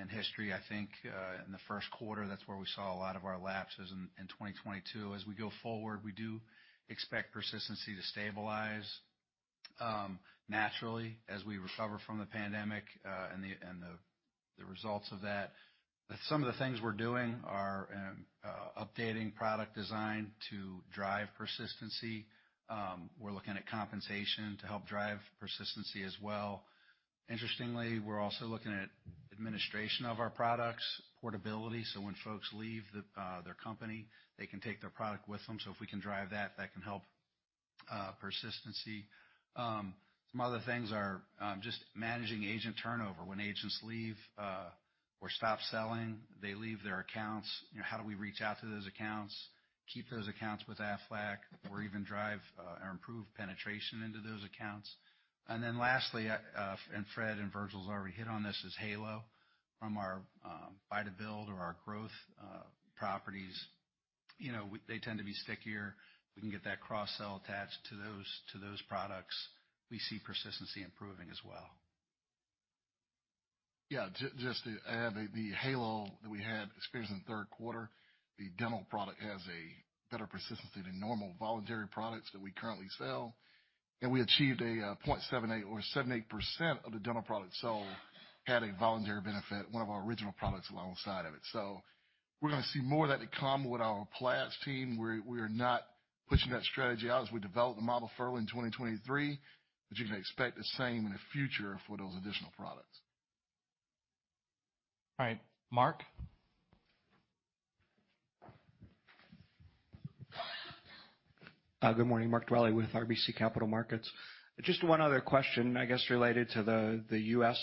in history, I think, in the first quarter. That's where we saw a lot of our lapses in 2022. As we go forward, we do expect persistency to stabilize naturally as we recover from the pandemic and the results of that. Some of the things we're doing are updating product design to drive persistency. We're looking at compensation to help drive persistency as well. Interestingly, we're also looking at administration of our products, portability, so when folks leave their company, they can take their product with them. So if we can drive that can help persistency. Some other things are just managing agent turnover. When agents leave, or stop selling, they leave their accounts, you know. How do we reach out to those accounts, keep those accounts with Aflac or even drive, or improve penetration into those accounts? Then lastly, and Fred and Virgil's already hit on this, is Halo from our Buy-to-Build or our growth properties. You know, they tend to be stickier. We can get that cross-sell attached to those products. We see persistency improving as well. Yeah. Just to add, the Halo that we had experienced in the third quarter, the dental product has a better persistency than normal voluntary products that we currently sell, and we achieved 0.78 or 78% of the dental products sold had a voluntary benefit, one of our original products alongside of it. We're gonna see more of that to come with our plans team. We are not pushing that strategy out as we develop the model further in 2023, but you can expect the same in the future for those additional products. All right. Mark? Good morning, Mark Dwelle with RBC Capital Markets. Just one other question, I guess, related to the U.S.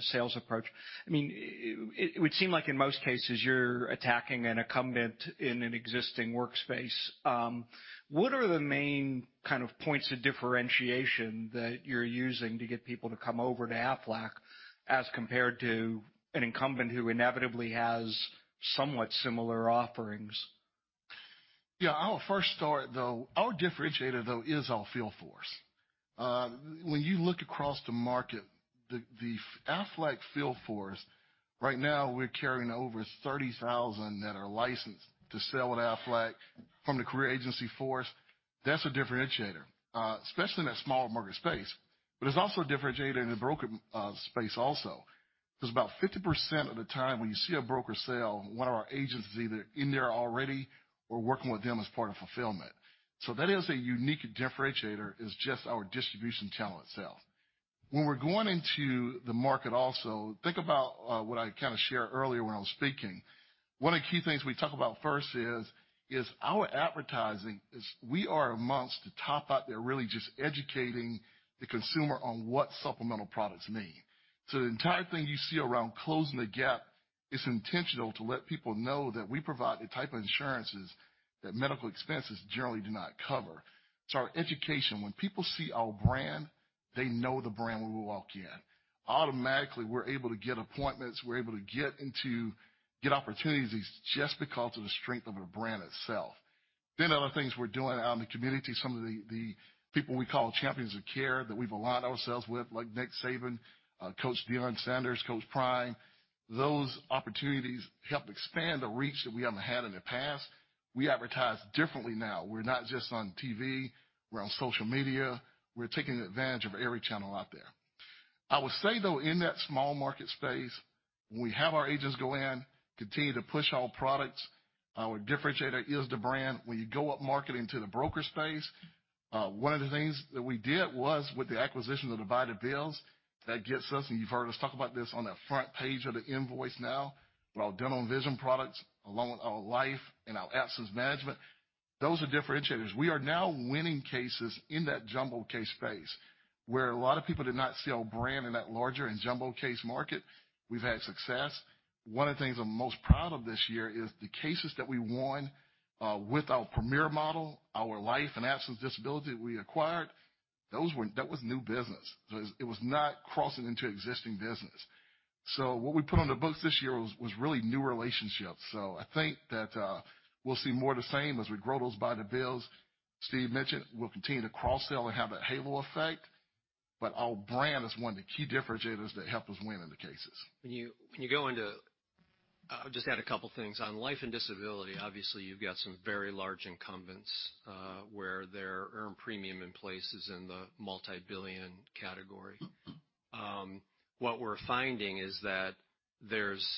sales approach. I mean, it would seem like in most cases you're attacking an incumbent in an existing worksite. What are the main kind of points of differentiation that you're using to get people to come over to Aflac as compared to an incumbent who inevitably has somewhat similar offerings? Yeah. I'll first start, though. Our differentiator, though, is our field force. When you look across the market, the Aflac field force, right now we're carrying over 30,000 that are licensed to sell with Aflac from the career agency force. That's a differentiator, especially in that small market space. It's also a differentiator in the broker space also. 'Cause about 50% of the time when you see a broker sale, one of our agents is either in there already or working with them as part of fulfillment. That is a unique differentiator is just our distribution channel itself. When we're going into the market also, think about what I kind of shared earlier when I was speaking. One of the key things we talk about first is our advertising. We are amongst the top out there really just educating the consumer on what supplemental products mean. The entire thing you see around Close the Gap is intentional to let people know that we provide the type of insurances that medical expenses generally do not cover. It's our education. When people see our brand, they know the brand. We will walk in. Automatically, we're able to get appointments, we're able to get opportunities just because of the strength of the brand itself. Other things we're doing out in the community, some of the people we call Champions of Care that we've aligned ourselves with, like Nick Saban, Coach Deion Sanders, Coach Prime, those opportunities help expand the reach that we haven't had in the past. We advertise differently now. We're not just on TV. We're on social media. We're taking advantage of every channel out there. I will say, though, in that small market space, when we have our agents go in, continue to push all products, our differentiator is the brand. When you go up market into the broker space, one of the things that we did was with the acquisition of Zurich, that gets us, and you've heard us talk about this on the front page of the invoice now, with our dental and vision products, along with our life and our absence management, those are differentiators. We are now winning cases in that jumbo case space. Where a lot of people did not see our brand in that larger and jumbo case market, we've had success. One of the things I'm most proud of this year is the cases that we won with our Premier Life, Absence and Disability Solutions we acquired. That was new business. It was not crossing into existing business. What we put on the books this year was really new relationships. I think that we'll see more of the same as we grow those by the builds Steve mentioned. We'll continue to cross-sell and have that halo effect, but our brand is one of the key differentiators that help us win in the cases. When you go into, I'll just add a couple things. On life and disability, obviously, you've got some very large incumbents, where their earned premium in place is in the multi-billion category. What we're finding is that there's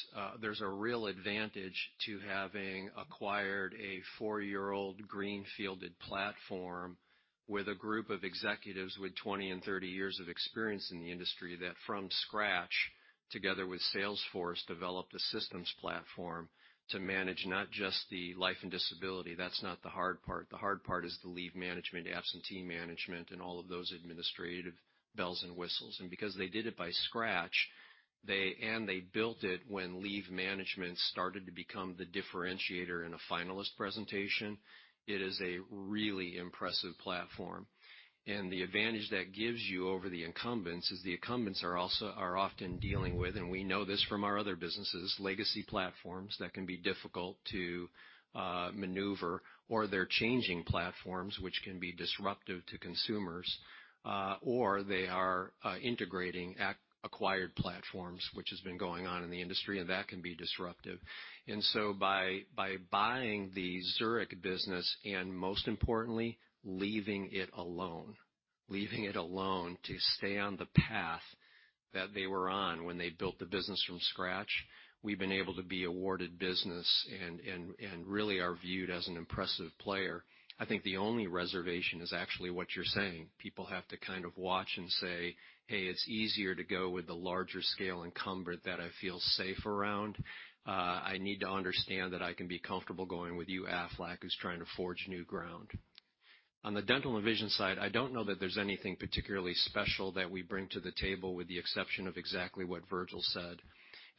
a real advantage to having acquired a four-year-old greenfielded platform with a group of executives with 20 and 30 years of experience in the industry that from scratch, together with Salesforce, developed a systems platform to manage not just the life and disability, that's not the hard part. The hard part is the leave management, absence management, and all of those administrative bells and whistles. Because they did it from scratch, they built it when leave management started to become the differentiator in a finalist presentation, it is a really impressive platform. The advantage that gives you over the incumbents is the incumbents are often dealing with, and we know this from our other businesses, legacy platforms that can be difficult to maneuver, or they're changing platforms which can be disruptive to consumers, or they are integrating acquired platforms, which has been going on in the industry, and that can be disruptive. By buying the Zurich business and most importantly, leaving it alone to stay on the path that they were on when they built the business from scratch, we've been able to be awarded business and really are viewed as an impressive player. I think the only reservation is actually what you're saying. People have to kind of watch and say, "Hey, it's easier to go with the larger scale incumbent that I feel safe around. I need to understand that I can be comfortable going with you, Aflac, who's trying to forge new ground." On the dental and vision side, I don't know that there's anything particularly special that we bring to the table with the exception of exactly what Virgil said.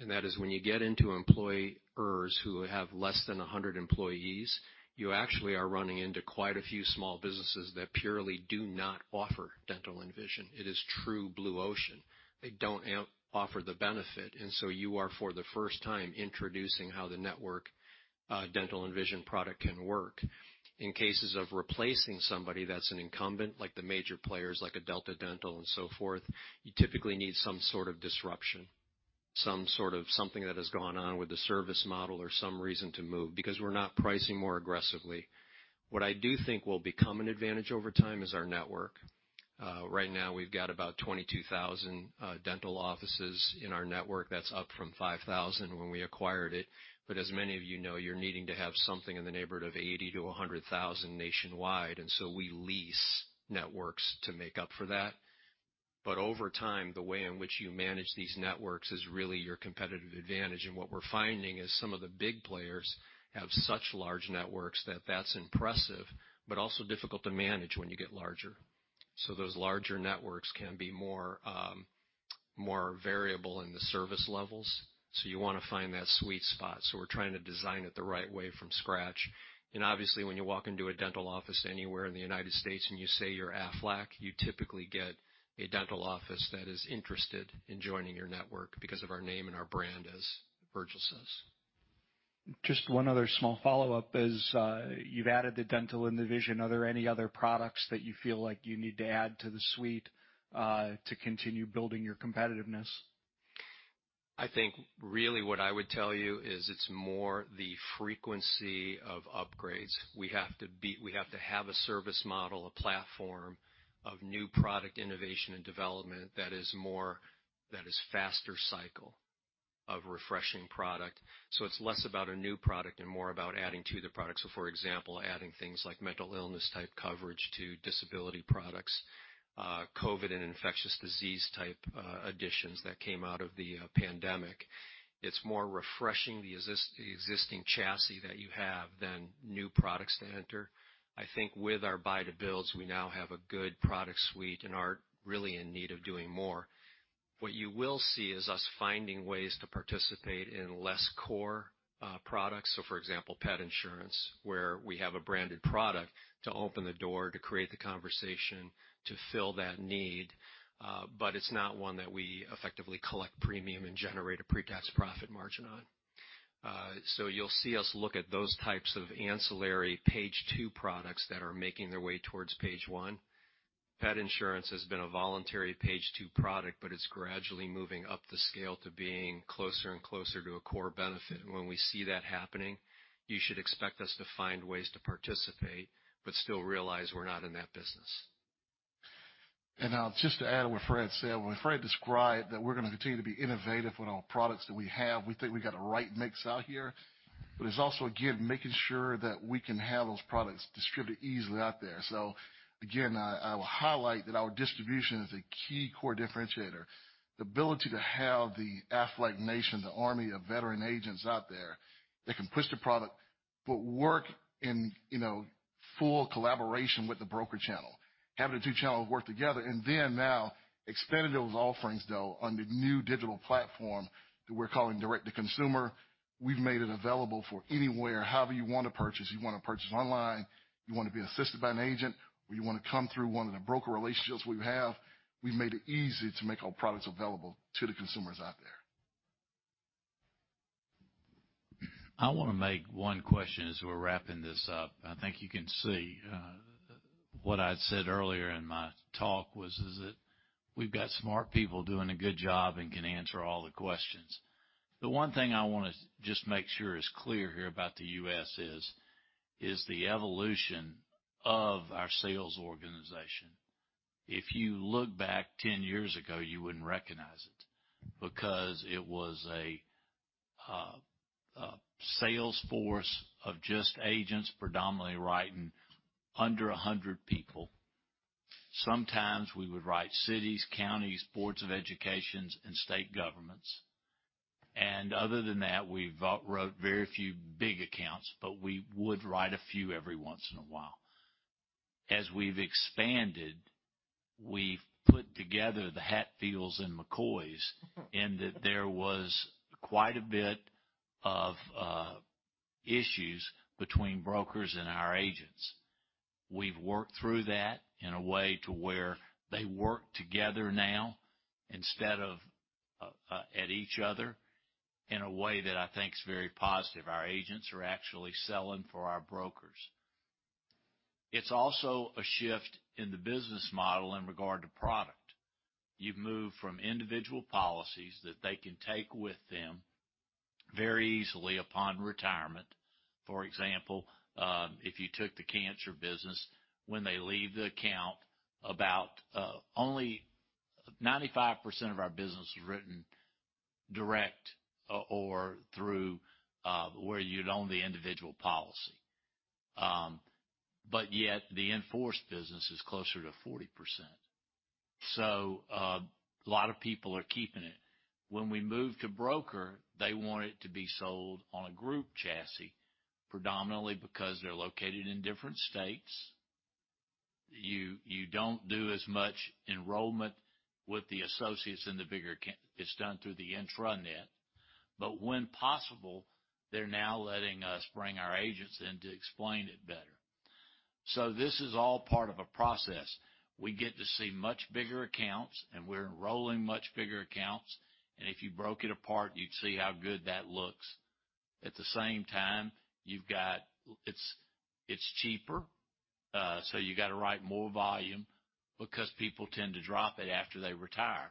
That is when you get into employers who have less than 100 employees, you actually are running into quite a few small businesses that purely do not offer dental and vision. It is true blue ocean. They don't offer the benefit, and so you are, for the first time, introducing how the network, dental and vision product can work. In cases of replacing somebody that's an incumbent, like the major players, like a Delta Dental and so forth, you typically need some sort of disruption, some sort of something that has gone on with the service model or some reason to move because we're not pricing more aggressively. What I do think will become an advantage over time is our network. Right now we've got about 22,000 dental offices in our network. That's up from 5,000 when we acquired it. As many of you know, you're needing to have something in the neighborhood of 80,000-100,000 nationwide. We lease networks to make up for that. Over time, the way in which you manage these networks is really your competitive advantage. What we're finding is some of the big players have such large networks that that's impressive, but also difficult to manage when you get larger. Those larger networks can be more, more variable in the service levels, so you wanna find that sweet spot. We're trying to design it the right way from scratch. Obviously, when you walk into a dental office anywhere in the United States and you say you're Aflac, you typically get a dental office that is interested in joining your network because of our name and our brand, as Virgil says. Just one other small follow-up is, you've added the dental and the vision. Are there any other products that you feel like you need to add to the suite, to continue building your competitiveness? I think really what I would tell you is it's more the frequency of upgrades. We have to have a service model, a platform of new product innovation and development that is more, that is faster cycle of refreshing product. It's less about a new product and more about adding to the product. For example, adding things like mental illness type coverage to disability products, COVID and infectious disease type additions that came out of the pandemic. It's more refreshing the existing chassis that you have than new products to enter. I think with our Buy-to-Builds, we now have a good product suite and aren't really in need of doing more. What you will see is us finding ways to participate in less core products. For example, pet insurance, where we have a branded product to open the door to create the conversation to fill that need, but it's not one that we effectively collect premium and generate a pre-tax profit margin on. You'll see us look at those types of ancillary page two products that are making their way towards page one. Pet insurance has been a voluntary page two product, but it's gradually moving up the scale to being closer and closer to a core benefit. When we see that happening, you should expect us to find ways to participate but still realize we're not in that business. Just to add to what Fred said, when Fred described that we're gonna continue to be innovative with our products that we have, we think we've got the right mix out here. It's also, again, making sure that we can have those products distributed easily out there. Again, I will highlight that our distribution is a key core differentiator. The ability to have the Aflac Nation, the army of veteran agents out there that can push the product but work in, you know, full collaboration with the broker channel, having the two channels work together and then now expanded those offerings through the new digital platform that we're calling direct-to-consumer. We've made it available anywhere, however you wanna purchase. You wanna purchase online, you wanna be assisted by an agent, or you wanna come through one of the broker relationships we have. We've made it easy to make our products available to the consumers out there. I wanna make one question as we're wrapping this up. I think you can see what I'd said earlier in my talk was that we've got smart people doing a good job and can answer all the questions. The one thing I wanna just make sure is clear here about the U.S. is the evolution of our sales organization. If you look back 10 years ago, you wouldn't recognize it because it was a sales force of just agents predominantly writing under 100 people. Sometimes we would write cities, counties, boards of education, and state governments. Other than that, we wrote very few big accounts, but we would write a few every once in a while. As we've expanded, we've put together the Hatfields and McCoys in that there was quite a bit of issues between brokers and our agents. We've worked through that in a way to where they work together now instead of at each other in a way that I think is very positive. Our agents are actually selling for our brokers. It's also a shift in the business model in regard to product. You've moved from individual policies that they can take with them very easily upon retirement. For example, if you took the cancer business when they leave the account, about only 95% of our business is written direct or through where you'd own the individual policy. But yet the in-force business is closer to 40%. A lot of people are keeping it. When we move to broker, they want it to be sold on a group chassis, predominantly because they're located in different states. You don't do as much enrollment with the associates in the bigger. It's done through the intranet. When possible, they're now letting us bring our agents in to explain it better. This is all part of a process. We get to see much bigger accounts, and we're enrolling much bigger accounts, and if you broke it apart, you'd see how good that looks. At the same time, it's cheaper, so you gotta write more volume because people tend to drop it after they retire.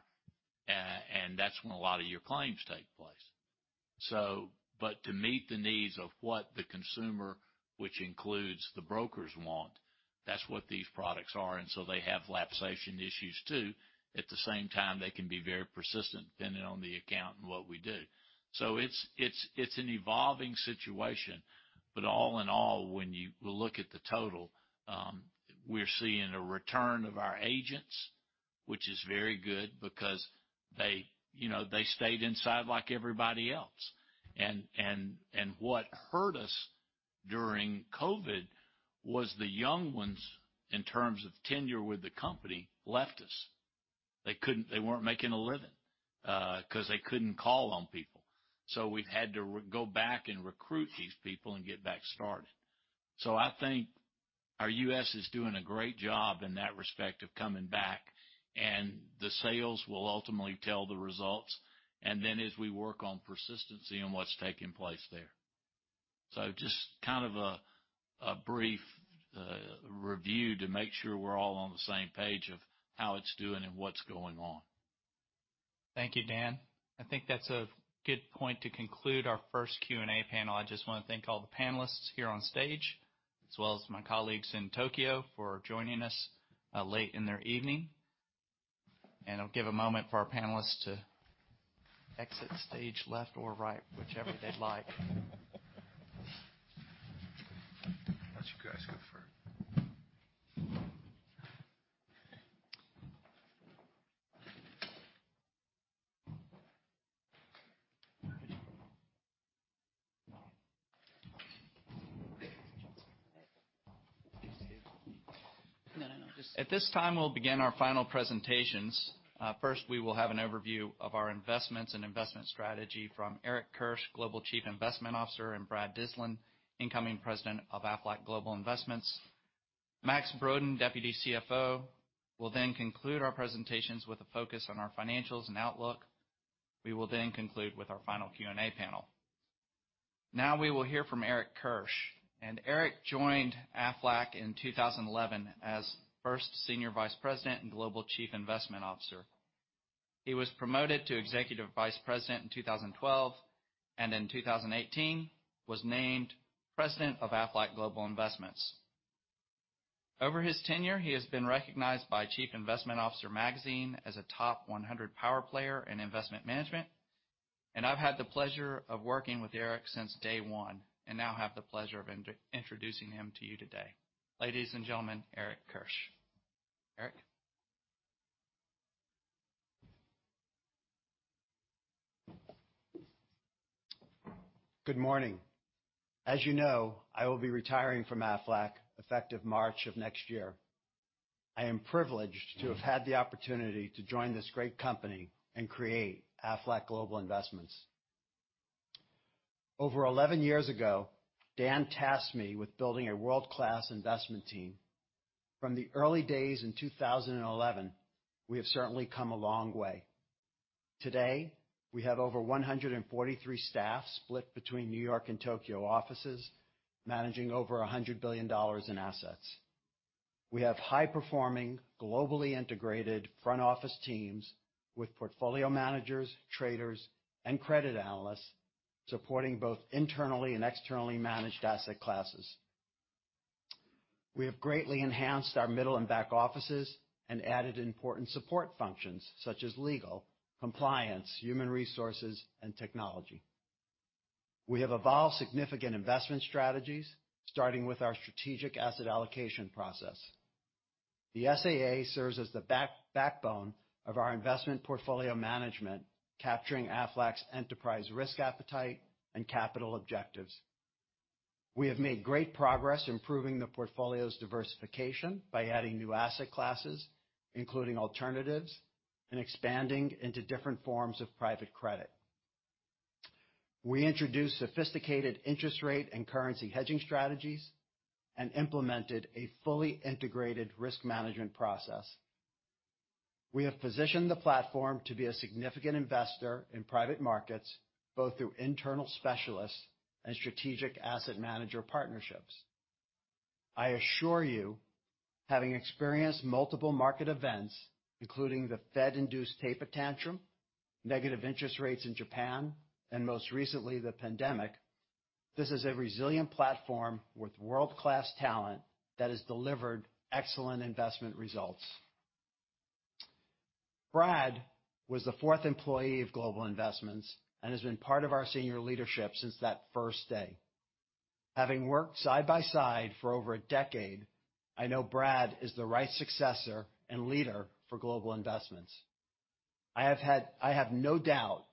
That's when a lot of your claims take place. But to meet the needs of what the consumer, which includes the brokers want, that's what these products are, and so they have lapse issues too. At the same time, they can be very persistent depending on the account and what we do. It's an evolving situation. All in all, when you look at the total, we're seeing a return of our agents, which is very good because they, you know, they stayed inside like everybody else. And what hurt us during COVID was the young ones, in terms of tenure with the company, left us. They weren't making a living, 'cause they couldn't call on people. We've had to go back and recruit these people and get back started. I think our U.S. is doing a great job in that respect of coming back, and the sales will ultimately tell the results, and then as we work on persistency and what's taking place there. Just kind of a brief review to make sure we're all on the same page of how it's doing and what's going on. Thank you, Dan. I think that's a good point to conclude our first Q&A panel. I just wanna thank all the panelists here on stage, as well as my colleagues in Tokyo for joining us, late in their evening. I'll give a moment for our panelists to exit stage left or right, whichever they'd like. Why don't you guys go first? At this time, we'll begin our final presentations. First, we will have an overview of our investments and investment strategy from Eric Kirsch, Global Chief Investment Officer, and Brad Dyslin, incoming President of Aflac Global Investments. Max Brodén, Deputy CFO, will then conclude our presentations with a focus on our financials and outlook. We will then conclude with our final Q&A panel. Now we will hear from Eric Kirsch. Eric joined Aflac in 2011 as first Senior Vice President and Global Chief Investment Officer. He was promoted to Executive Vice President in 2012, and in 2018, was named President of Aflac Global Investments. Over his tenure, he has been recognized by Chief Investment Officer magazine as a top 100 power player in investment management, and I've had the pleasure of working with Eric since day one and now have the pleasure of introducing him to you today. Ladies and gentlemen, Eric Kirsch. Eric? Good morning. As you know, I will be retiring from Aflac effective March of next year. I am privileged to have had the opportunity to join this great company and create Aflac Global Investments. Over 11 years ago, Dan tasked me with building a world-class investment team. From the early days in 2011, we have certainly come a long way. Today, we have over 143 staff split between New York and Tokyo offices, managing over $100 billion in assets. We have high-performing, globally integrated front office teams with portfolio managers, traders, and credit analysts supporting both internally and externally managed asset classes. We have greatly enhanced our middle and back offices and added important support functions such as legal, compliance, human resources, and technology. We have evolved significant investment strategies, starting with our strategic asset allocation process. The SAA serves as the backbone of our investment portfolio management, capturing Aflac's enterprise risk appetite and capital objectives. We have made great progress improving the portfolio's diversification by adding new asset classes, including alternatives and expanding into different forms of private credit. We introduced sophisticated interest rate and currency hedging strategies and implemented a fully integrated risk management process. We have positioned the platform to be a significant investor in private markets, both through internal specialists and strategic asset manager partnerships. I assure you, having experienced multiple market events, including the Fed-induced taper tantrum, negative interest rates in Japan, and most recently, the pandemic, this is a resilient platform with world-class talent that has delivered excellent investment results. Brad was the fourth employee of Global Investments and has been part of our senior leadership since that first day. Having worked side by side for over a decade, I know Brad is the right successor and leader for Global Investments. I have no doubt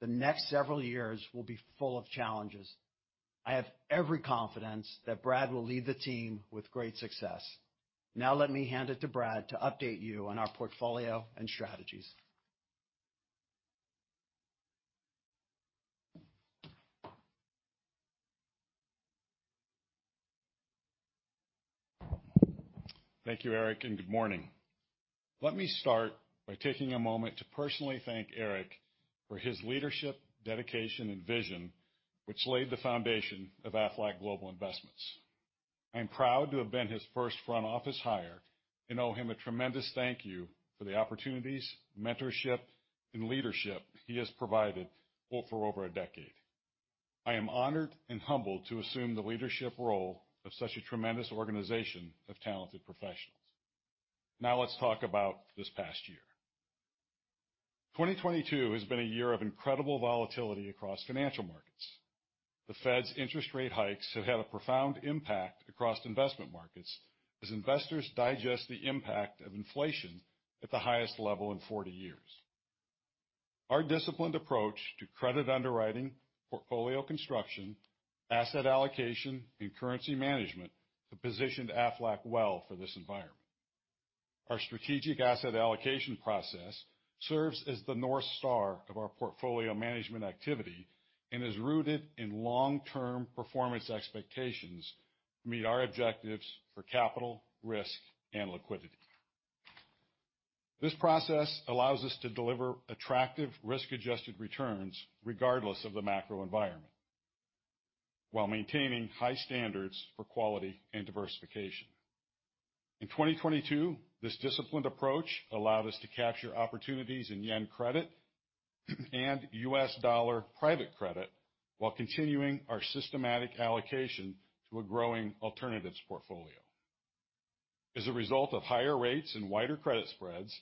the next several years will be full of challenges. I have every confidence that Brad will lead the team with great success. Now let me hand it to Brad to update you on our portfolio and strategies. Thank you, Eric and good morning. Let me start by taking a moment to personally thank Eric for his leadership, dedication, and vision, which laid the foundation of Aflac Global Investments. I am proud to have been his first front office hire and owe him a tremendous thank you for the opportunities, mentorship, and leadership he has provided all for over a decade. I am honored and humbled to assume the leadership role of such a tremendous organization of talented professionals. Now let's talk about this past year. 2022 has been a year of incredible volatility across financial markets. The Fed's interest rate hikes have had a profound impact across investment markets as investors digest the impact of inflation at the highest level in 40 years. Our disciplined approach to credit underwriting, portfolio construction, asset allocation, and currency management have positioned Aflac well for this environment. Our strategic asset allocation process serves as the North Star of our portfolio management activity and is rooted in long-term performance expectations to meet our objectives for capital, risk, and liquidity. This process allows us to deliver attractive risk-adjusted returns regardless of the macro environment while maintaining high standards for quality and diversification. In 2022, this disciplined approach allowed us to capture opportunities in yen credit and U.S. dollar private credit while continuing our systematic allocation to a growing alternatives portfolio. As a result of higher rates and wider credit spreads,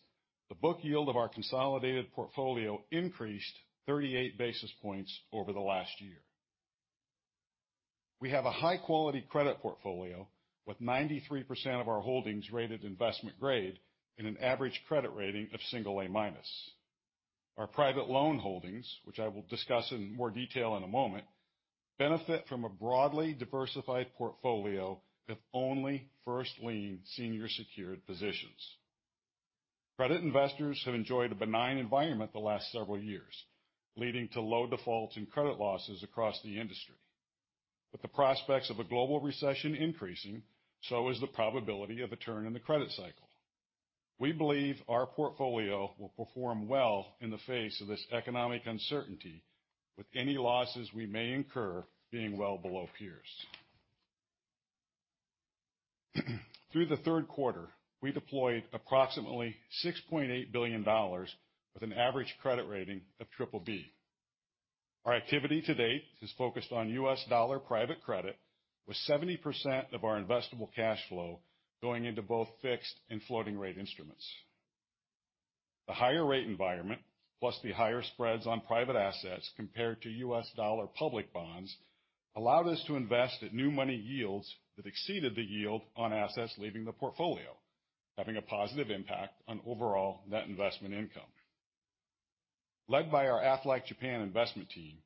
the book yield of our consolidated portfolio increased 38 basis points over the last year. We have a high-quality credit portfolio with 93% of our holdings rated investment grade and an average credit rating of single A-. Our private loan holdings, which I will discuss in more detail in a moment, benefit from a broadly diversified portfolio with only first lien senior secured positions. Credit investors have enjoyed a benign environment the last several years, leading to low defaults and credit losses across the industry. With the prospects of a global recession increasing, so is the probability of a turn in the credit cycle. We believe our portfolio will perform well in the face of this economic uncertainty with any losses we may incur being well below peers. Through the third quarter, we deployed approximately $6.8 billion with an average credit rating of BBB. Our activity to date is focused on U.S. dollar private credit, with 70% of our investable cash flow going into both fixed and floating rate instruments. The higher rate environment, plus the higher spreads on private assets compared to U.S. dollar public bonds, allowed us to invest at new money yields that exceeded the yield on assets leaving the portfolio, having a positive impact on overall net investment income. Led by our Aflac Japan investment team,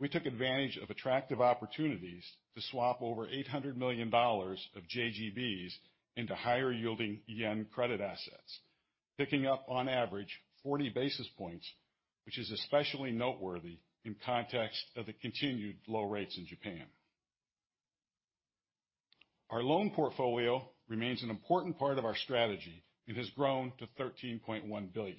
we took advantage of attractive opportunities to swap over $800 million of JGBs into higher yielding yen credit assets, picking up on average 40 basis points, which is especially noteworthy in context of the continued low rates in Japan. Our loan portfolio remains an important part of our strategy. It has grown to $13.1 billion.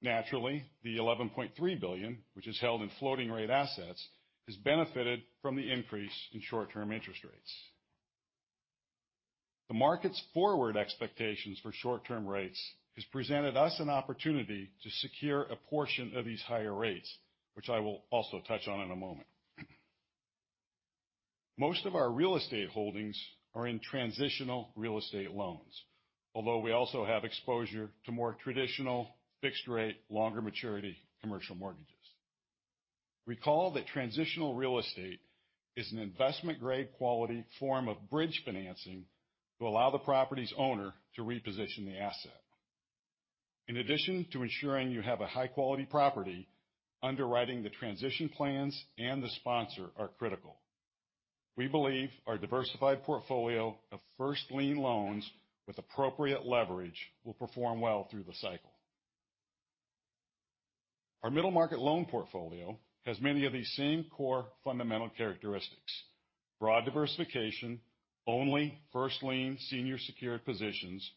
Naturally, the $11.3 billion, which is held in floating rate assets, has benefited from the increase in short-term interest rates. The market's forward expectations for short-term rates has presented us an opportunity to secure a portion of these higher rates, which I will also touch on in a moment. Most of our real estate holdings are in transitional real estate loans, although we also have exposure to more traditional fixed rate, longer maturity commercial mortgages. Recall that transitional real estate is an investment-grade quality form of bridge financing to allow the property's owner to reposition the asset. In addition to ensuring you have a high-quality property, underwriting the transition plans and the sponsor are critical. We believe our diversified portfolio of first lien loans with appropriate leverage will perform well through the cycle. Our middle market loan portfolio has many of these same core fundamental characteristics, broad diversification, only first lien senior secured positions,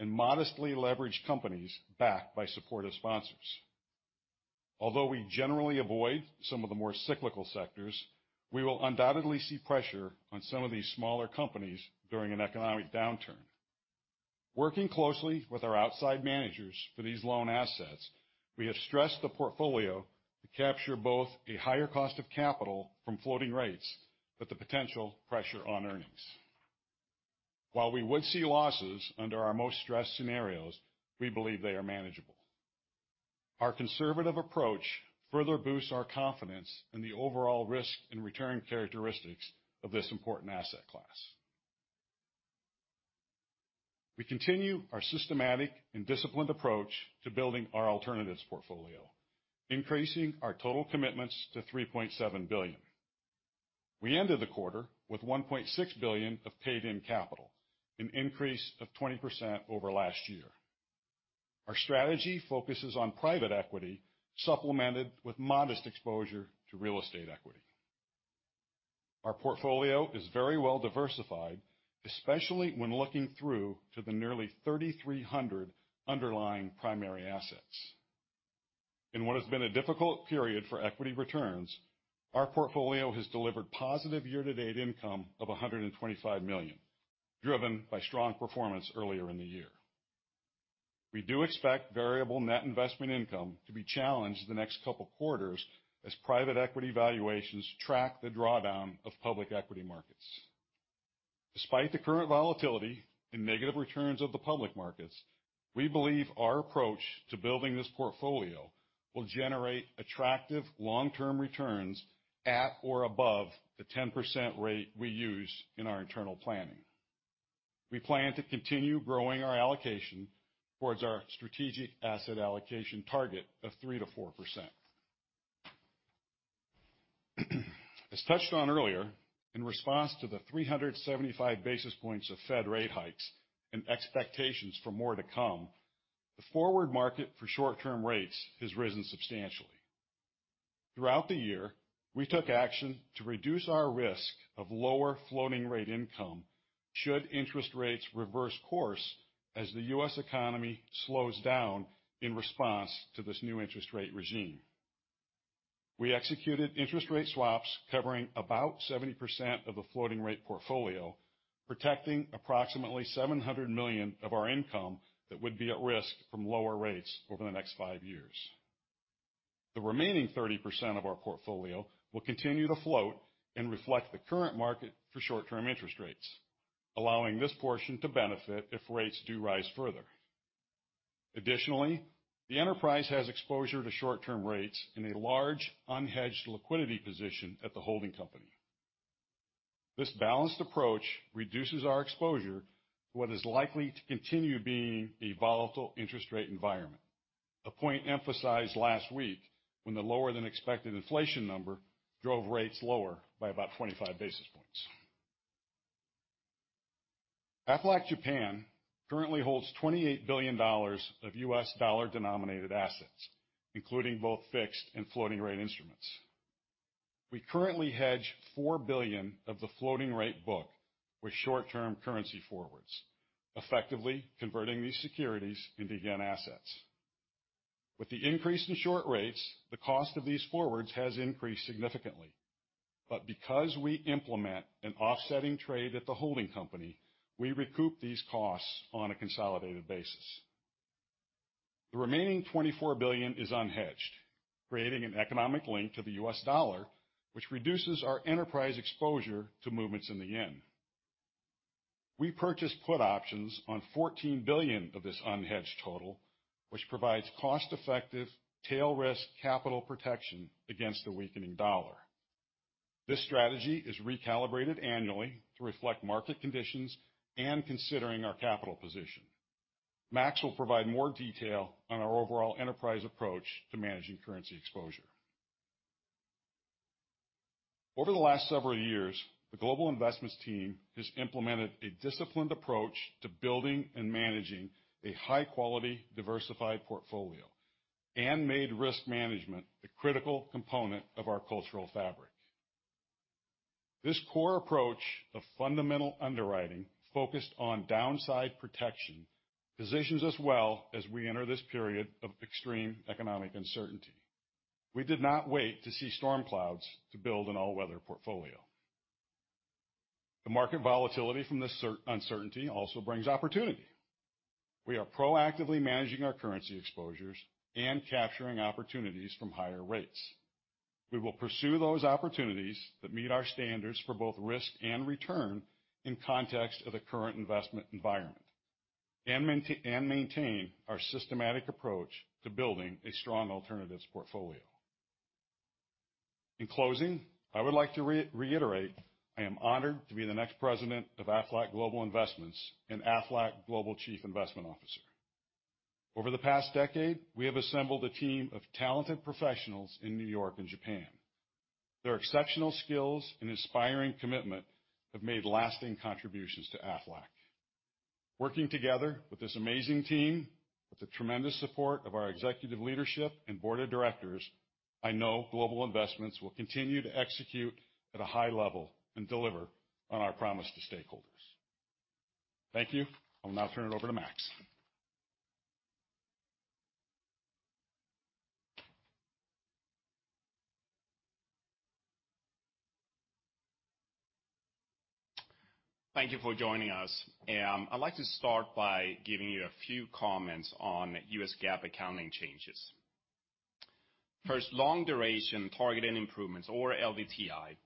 and modestly leveraged companies backed by supportive sponsors. Although we generally avoid some of the more cyclical sectors, we will undoubtedly see pressure on some of these smaller companies during an economic downturn. Working closely with our outside managers for these loan assets, we have stressed the portfolio to capture both a higher cost of capital from floating rates, but the potential pressure on earnings. While we would see losses under our most stressed scenarios, we believe they are manageable. Our conservative approach further boosts our confidence in the overall risk and return characteristics of this important asset class. We continue our systematic and disciplined approach to building our alternatives portfolio, increasing our total commitments to $3.7 billion. We ended the quarter with $1.6 billion of paid-in capital, an increase of 20% over last year. Our strategy focuses on private equity, supplemented with modest exposure to real estate equity. Our portfolio is very well diversified, especially when looking through to the nearly 3,300 underlying primary assets. In what has been a difficult period for equity returns, our portfolio has delivered positive year-to-date income of $125 million, driven by strong performance earlier in the year. We do expect variable net investment income to be challenged the next couple quarters as private equity valuations track the drawdown of public equity markets. Despite the current volatility and negative returns of the public markets, we believe our approach to building this portfolio will generate attractive long-term returns at or above the 10% rate we use in our internal planning. We plan to continue growing our allocation towards our strategic asset allocation target of 3%-4%. As touched on earlier, in response to the 375 basis points of Fed rate hikes and expectations for more to come, the forward market for short-term rates has risen substantially. Throughout the year, we took action to reduce our risk of lower floating rate income should interest rates reverse course as the U.S. economy slows down in response to this new interest rate regime. We executed interest rate swaps covering about 70% of the floating rate portfolio, protecting approximately $700 million of our income that would be at risk from lower rates over the next five years. The remaining 30% of our portfolio will continue to float and reflect the current market for short-term interest rates, allowing this portion to benefit if rates do rise further. Additionally, the enterprise has exposure to short-term rates in a large unhedged liquidity position at the holding company. This balanced approach reduces our exposure to what is likely to continue being a volatile interest rate environment. A point emphasized last week when the lower than expected inflation number drove rates lower by about 25 basis points. Aflac Japan currently holds $28 billion of U.S. dollar-denominated assets, including both fixed and floating rate instruments. We currently hedge $4 billion of the floating rate book with short-term currency forwards, effectively converting these securities into yen assets. With the increase in short rates, the cost of these forwards has increased significantly. Because we implement an offsetting trade at the holding company, we recoup these costs on a consolidated basis. The remaining $24 billion is unhedged, creating an economic link to the U.S. dollar, which reduces our enterprise exposure to movements in the yen. We purchased put options on $14 billion of this unhedged total, which provides cost-effective tail risk capital protection against the weakening dollar. This strategy is recalibrated annually to reflect market conditions and considering our capital position. Max will provide more detail on our overall enterprise approach to managing currency exposure. Over the last several years, the global investments team has implemented a disciplined approach to building and managing a high quality, diversified portfolio and made risk management a critical component of our cultural fabric. This core approach of fundamental underwriting focused on downside protection positions us well as we enter this period of extreme economic uncertainty. We did not wait to see storm clouds to build an all-weather portfolio. The market volatility from this uncertainty also brings opportunity. We are proactively managing our currency exposures and capturing opportunities from higher rates. We will pursue those opportunities that meet our standards for both risk and return in context of the current investment environment, and maintain our systematic approach to building a strong alternatives portfolio. In closing, I would like to reiterate, I am honored to be the next president of Aflac Global Investments and Aflac Global Chief Investment Officer. Over the past decade, we have assembled a team of talented professionals in New York and Japan. Their exceptional skills and inspiring commitment have made lasting contributions to Aflac. Working together with this amazing team, with the tremendous support of our executive leadership and board of directors, I know Global Investments will continue to execute at a high level and deliver on our promise to stakeholders. Thank you. I'll now turn it over to Max. Thank you for joining us. I'd like to start by giving you a few comments on U.S. GAAP accounting changes. First, long duration targeted improvements or LDTI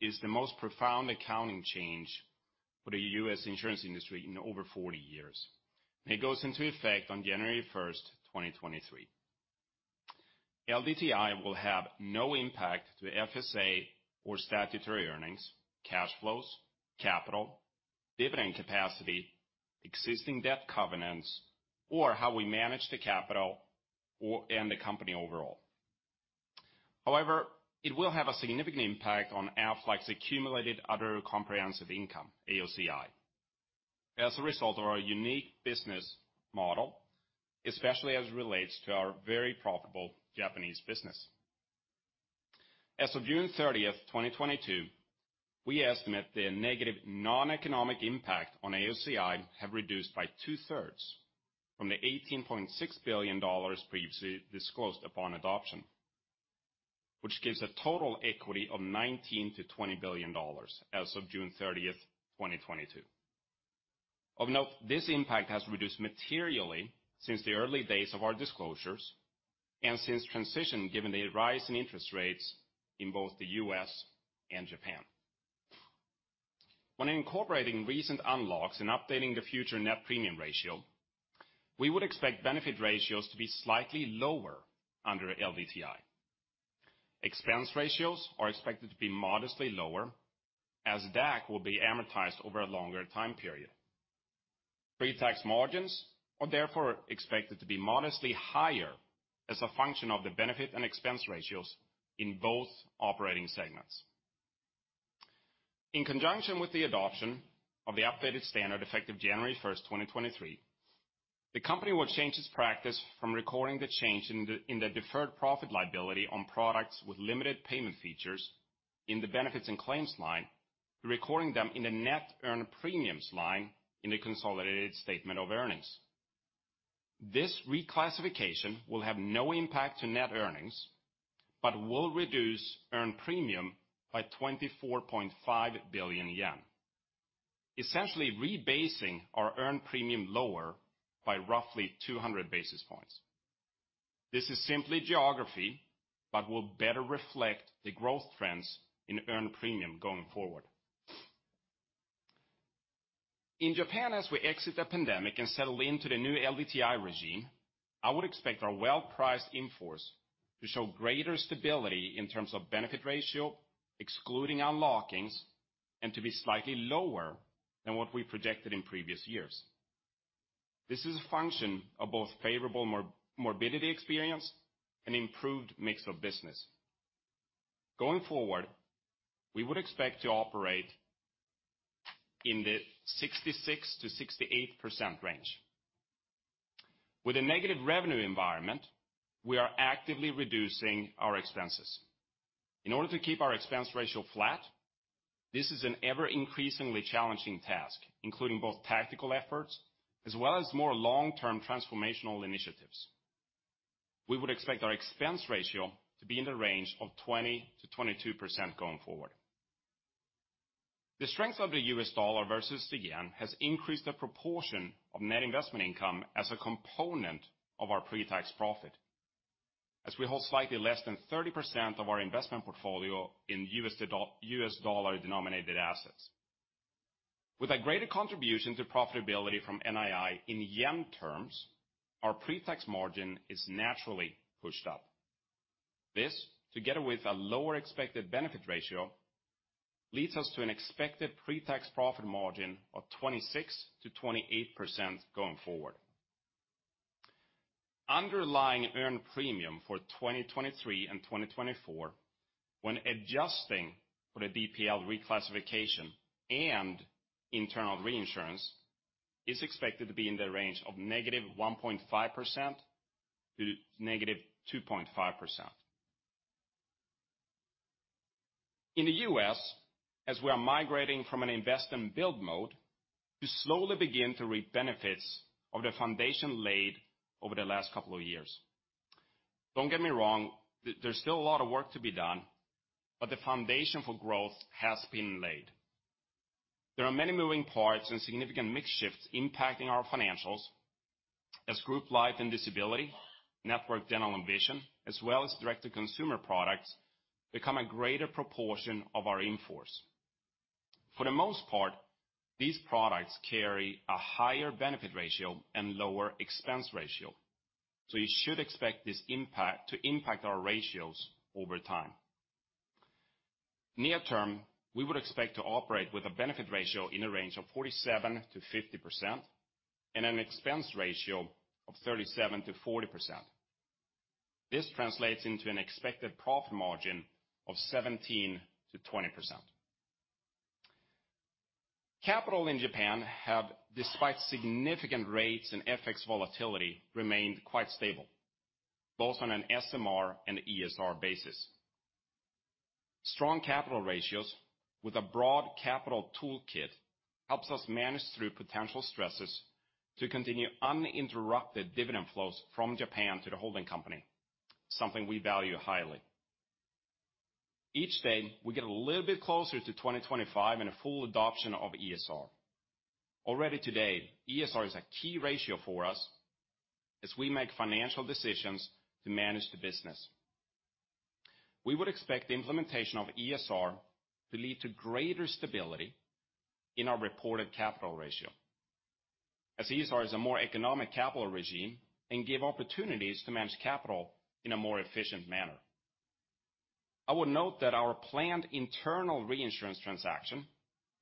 is the most profound accounting change for the U.S. insurance industry in over 40 years. It goes into effect on January 1st, 2023. LDTI will have no impact to the FSA or statutory earnings, cash flows, capital, dividend capacity, existing debt covenants, or how we manage the capital and the company overall. However, it will have a significant impact on Aflac's accumulated other comprehensive income, AOCI. As a result of our unique business model, especially as it relates to our very profitable Japanese business. As of June 30, 2022, we estimate the negative noneconomic impact on AOCI have reduced by 2/3 from the $18.6 billion previously disclosed upon adoption, which gives a total equity of $19-$20 billion as of June 30th, 2022. Of note, this impact has reduced materially since the early days of our disclosures and since transition, given the rise in interest rates in both the U.S. and Japan. When incorporating recent unlocks and updating the future net premium ratio, we would expect benefit ratios to be slightly lower under LDTI. Expense ratios are expected to be modestly lower, as DAC will be amortized over a longer time period. Pre-tax margins are therefore expected to be modestly higher as a function of the benefit and expense ratios in both operating segments. In conjunction with the adoption of the updated standard effective January 1st, 2023, the company will change its practice from recording the change in the deferred profit liability on products with limited payment features in the benefits and claims line to recording them in the net earned premiums line in the consolidated statement of earnings. This reclassification will have no impact to net earnings, but will reduce earned premium by 24.5 billion yen, essentially rebasing our earned premium lower by roughly 200 basis points. This is simply geography, but will better reflect the growth trends in earned premium going forward. In Japan, as we exit the pandemic and settle into the new LDTI regime, I would expect our well-priced in-force to show greater stability in terms of benefit ratio, excluding unlockings, and to be slightly lower than what we projected in previous years. This is a function of both favorable morbidity experience and improved mix of business. Going forward, we would expect to operate in the 66%-68% range. With a negative revenue environment, we are actively reducing our expenses. In order to keep our expense ratio flat, this is an ever-increasingly challenging task, including both tactical efforts as well as more long-term transformational initiatives. We would expect our expense ratio to be in the range of 20%-22% going forward. The strength of the U.S. dollar versus the yen has increased the proportion of net investment income as a component of our pre-tax profit, as we hold slightly less than 30% of our investment portfolio in U.S. dollar denominated assets. With a greater contribution to profitability from NII in yen terms, our pre-tax margin is naturally pushed up. This, together with a lower expected benefit ratio, leads us to an expected pre-tax profit margin of 26%-28% going forward. Underlying earned premium for 2023 and 2024, when adjusting for the DPL reclassification and internal reinsurance, is expected to be in the range of -1.5% to -2.5%. In the U.S., as we are migrating from an invest-and-build mode to slowly begin to reap benefits of the foundation laid over the last couple of years. Don't get me wrong, there's still a lot of work to be done, but the foundation for growth has been laid. There are many moving parts and significant mix shifts impacting our financials as Group Life and Disability, Network Dental and Vision, as well as direct-to-consumer products become a greater proportion of our in-force. For the most part, these products carry a higher benefit ratio and lower expense ratio, so you should expect this impact to impact our ratios over time. Near term, we would expect to operate with a benefit ratio in the range of 47%-50% and an expense ratio of 37%-40%. This translates into an expected profit margin of 17%-20%. Capital in Japan have, despite significant rates and FX volatility, remained quite stable, both on an SMR and ESR basis. Strong capital ratios with a broad capital toolkit helps us manage through potential stresses to continue uninterrupted dividend flows from Japan to the holding company, something we value highly. Each day, we get a little bit closer to 2025 and a full adoption of ESR. Already today, ESR is a key ratio for us as we make financial decisions to manage the business. We would expect the implementation of ESR to lead to greater stability in our reported capital ratio, as ESR is a more economic capital regime and give opportunities to manage capital in a more efficient manner. I would note that our planned internal reinsurance transaction,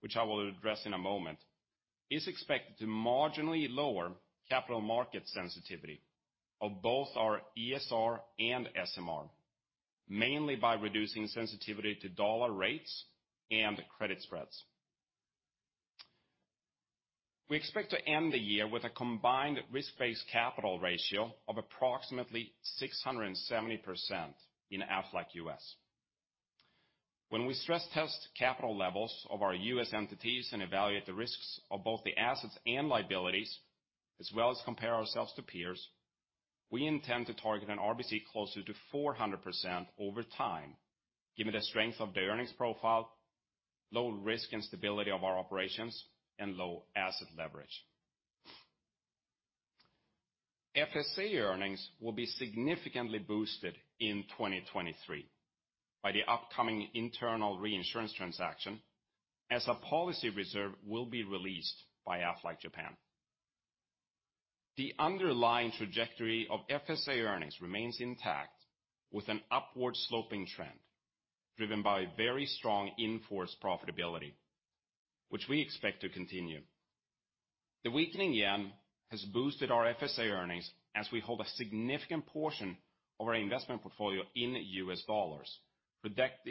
which I will address in a moment, is expected to marginally lower capital market sensitivity of both our ESR and SMR, mainly by reducing sensitivity to dollar rates and credit spreads. We expect to end the year with a combined risk-based capital ratio of approximately 670% in Aflac U.S. When we stress test capital levels of our U.S. entities and evaluate the risks of both the assets and liabilities, as well as compare ourselves to peers, we intend to target an RBC closer to 400% over time, given the strength of the earnings profile, low risk and stability of our operations, and low asset leverage. FSA earnings will be significantly boosted in 2023 by the upcoming internal reinsurance transaction, as a policy reserve will be released by Aflac Japan. The underlying trajectory of FSA earnings remains intact with an upward sloping trend driven by very strong in-force profitability, which we expect to continue. The weakening yen has boosted our FSA earnings as we hold a significant portion of our investment portfolio in U.S. dollars, predict-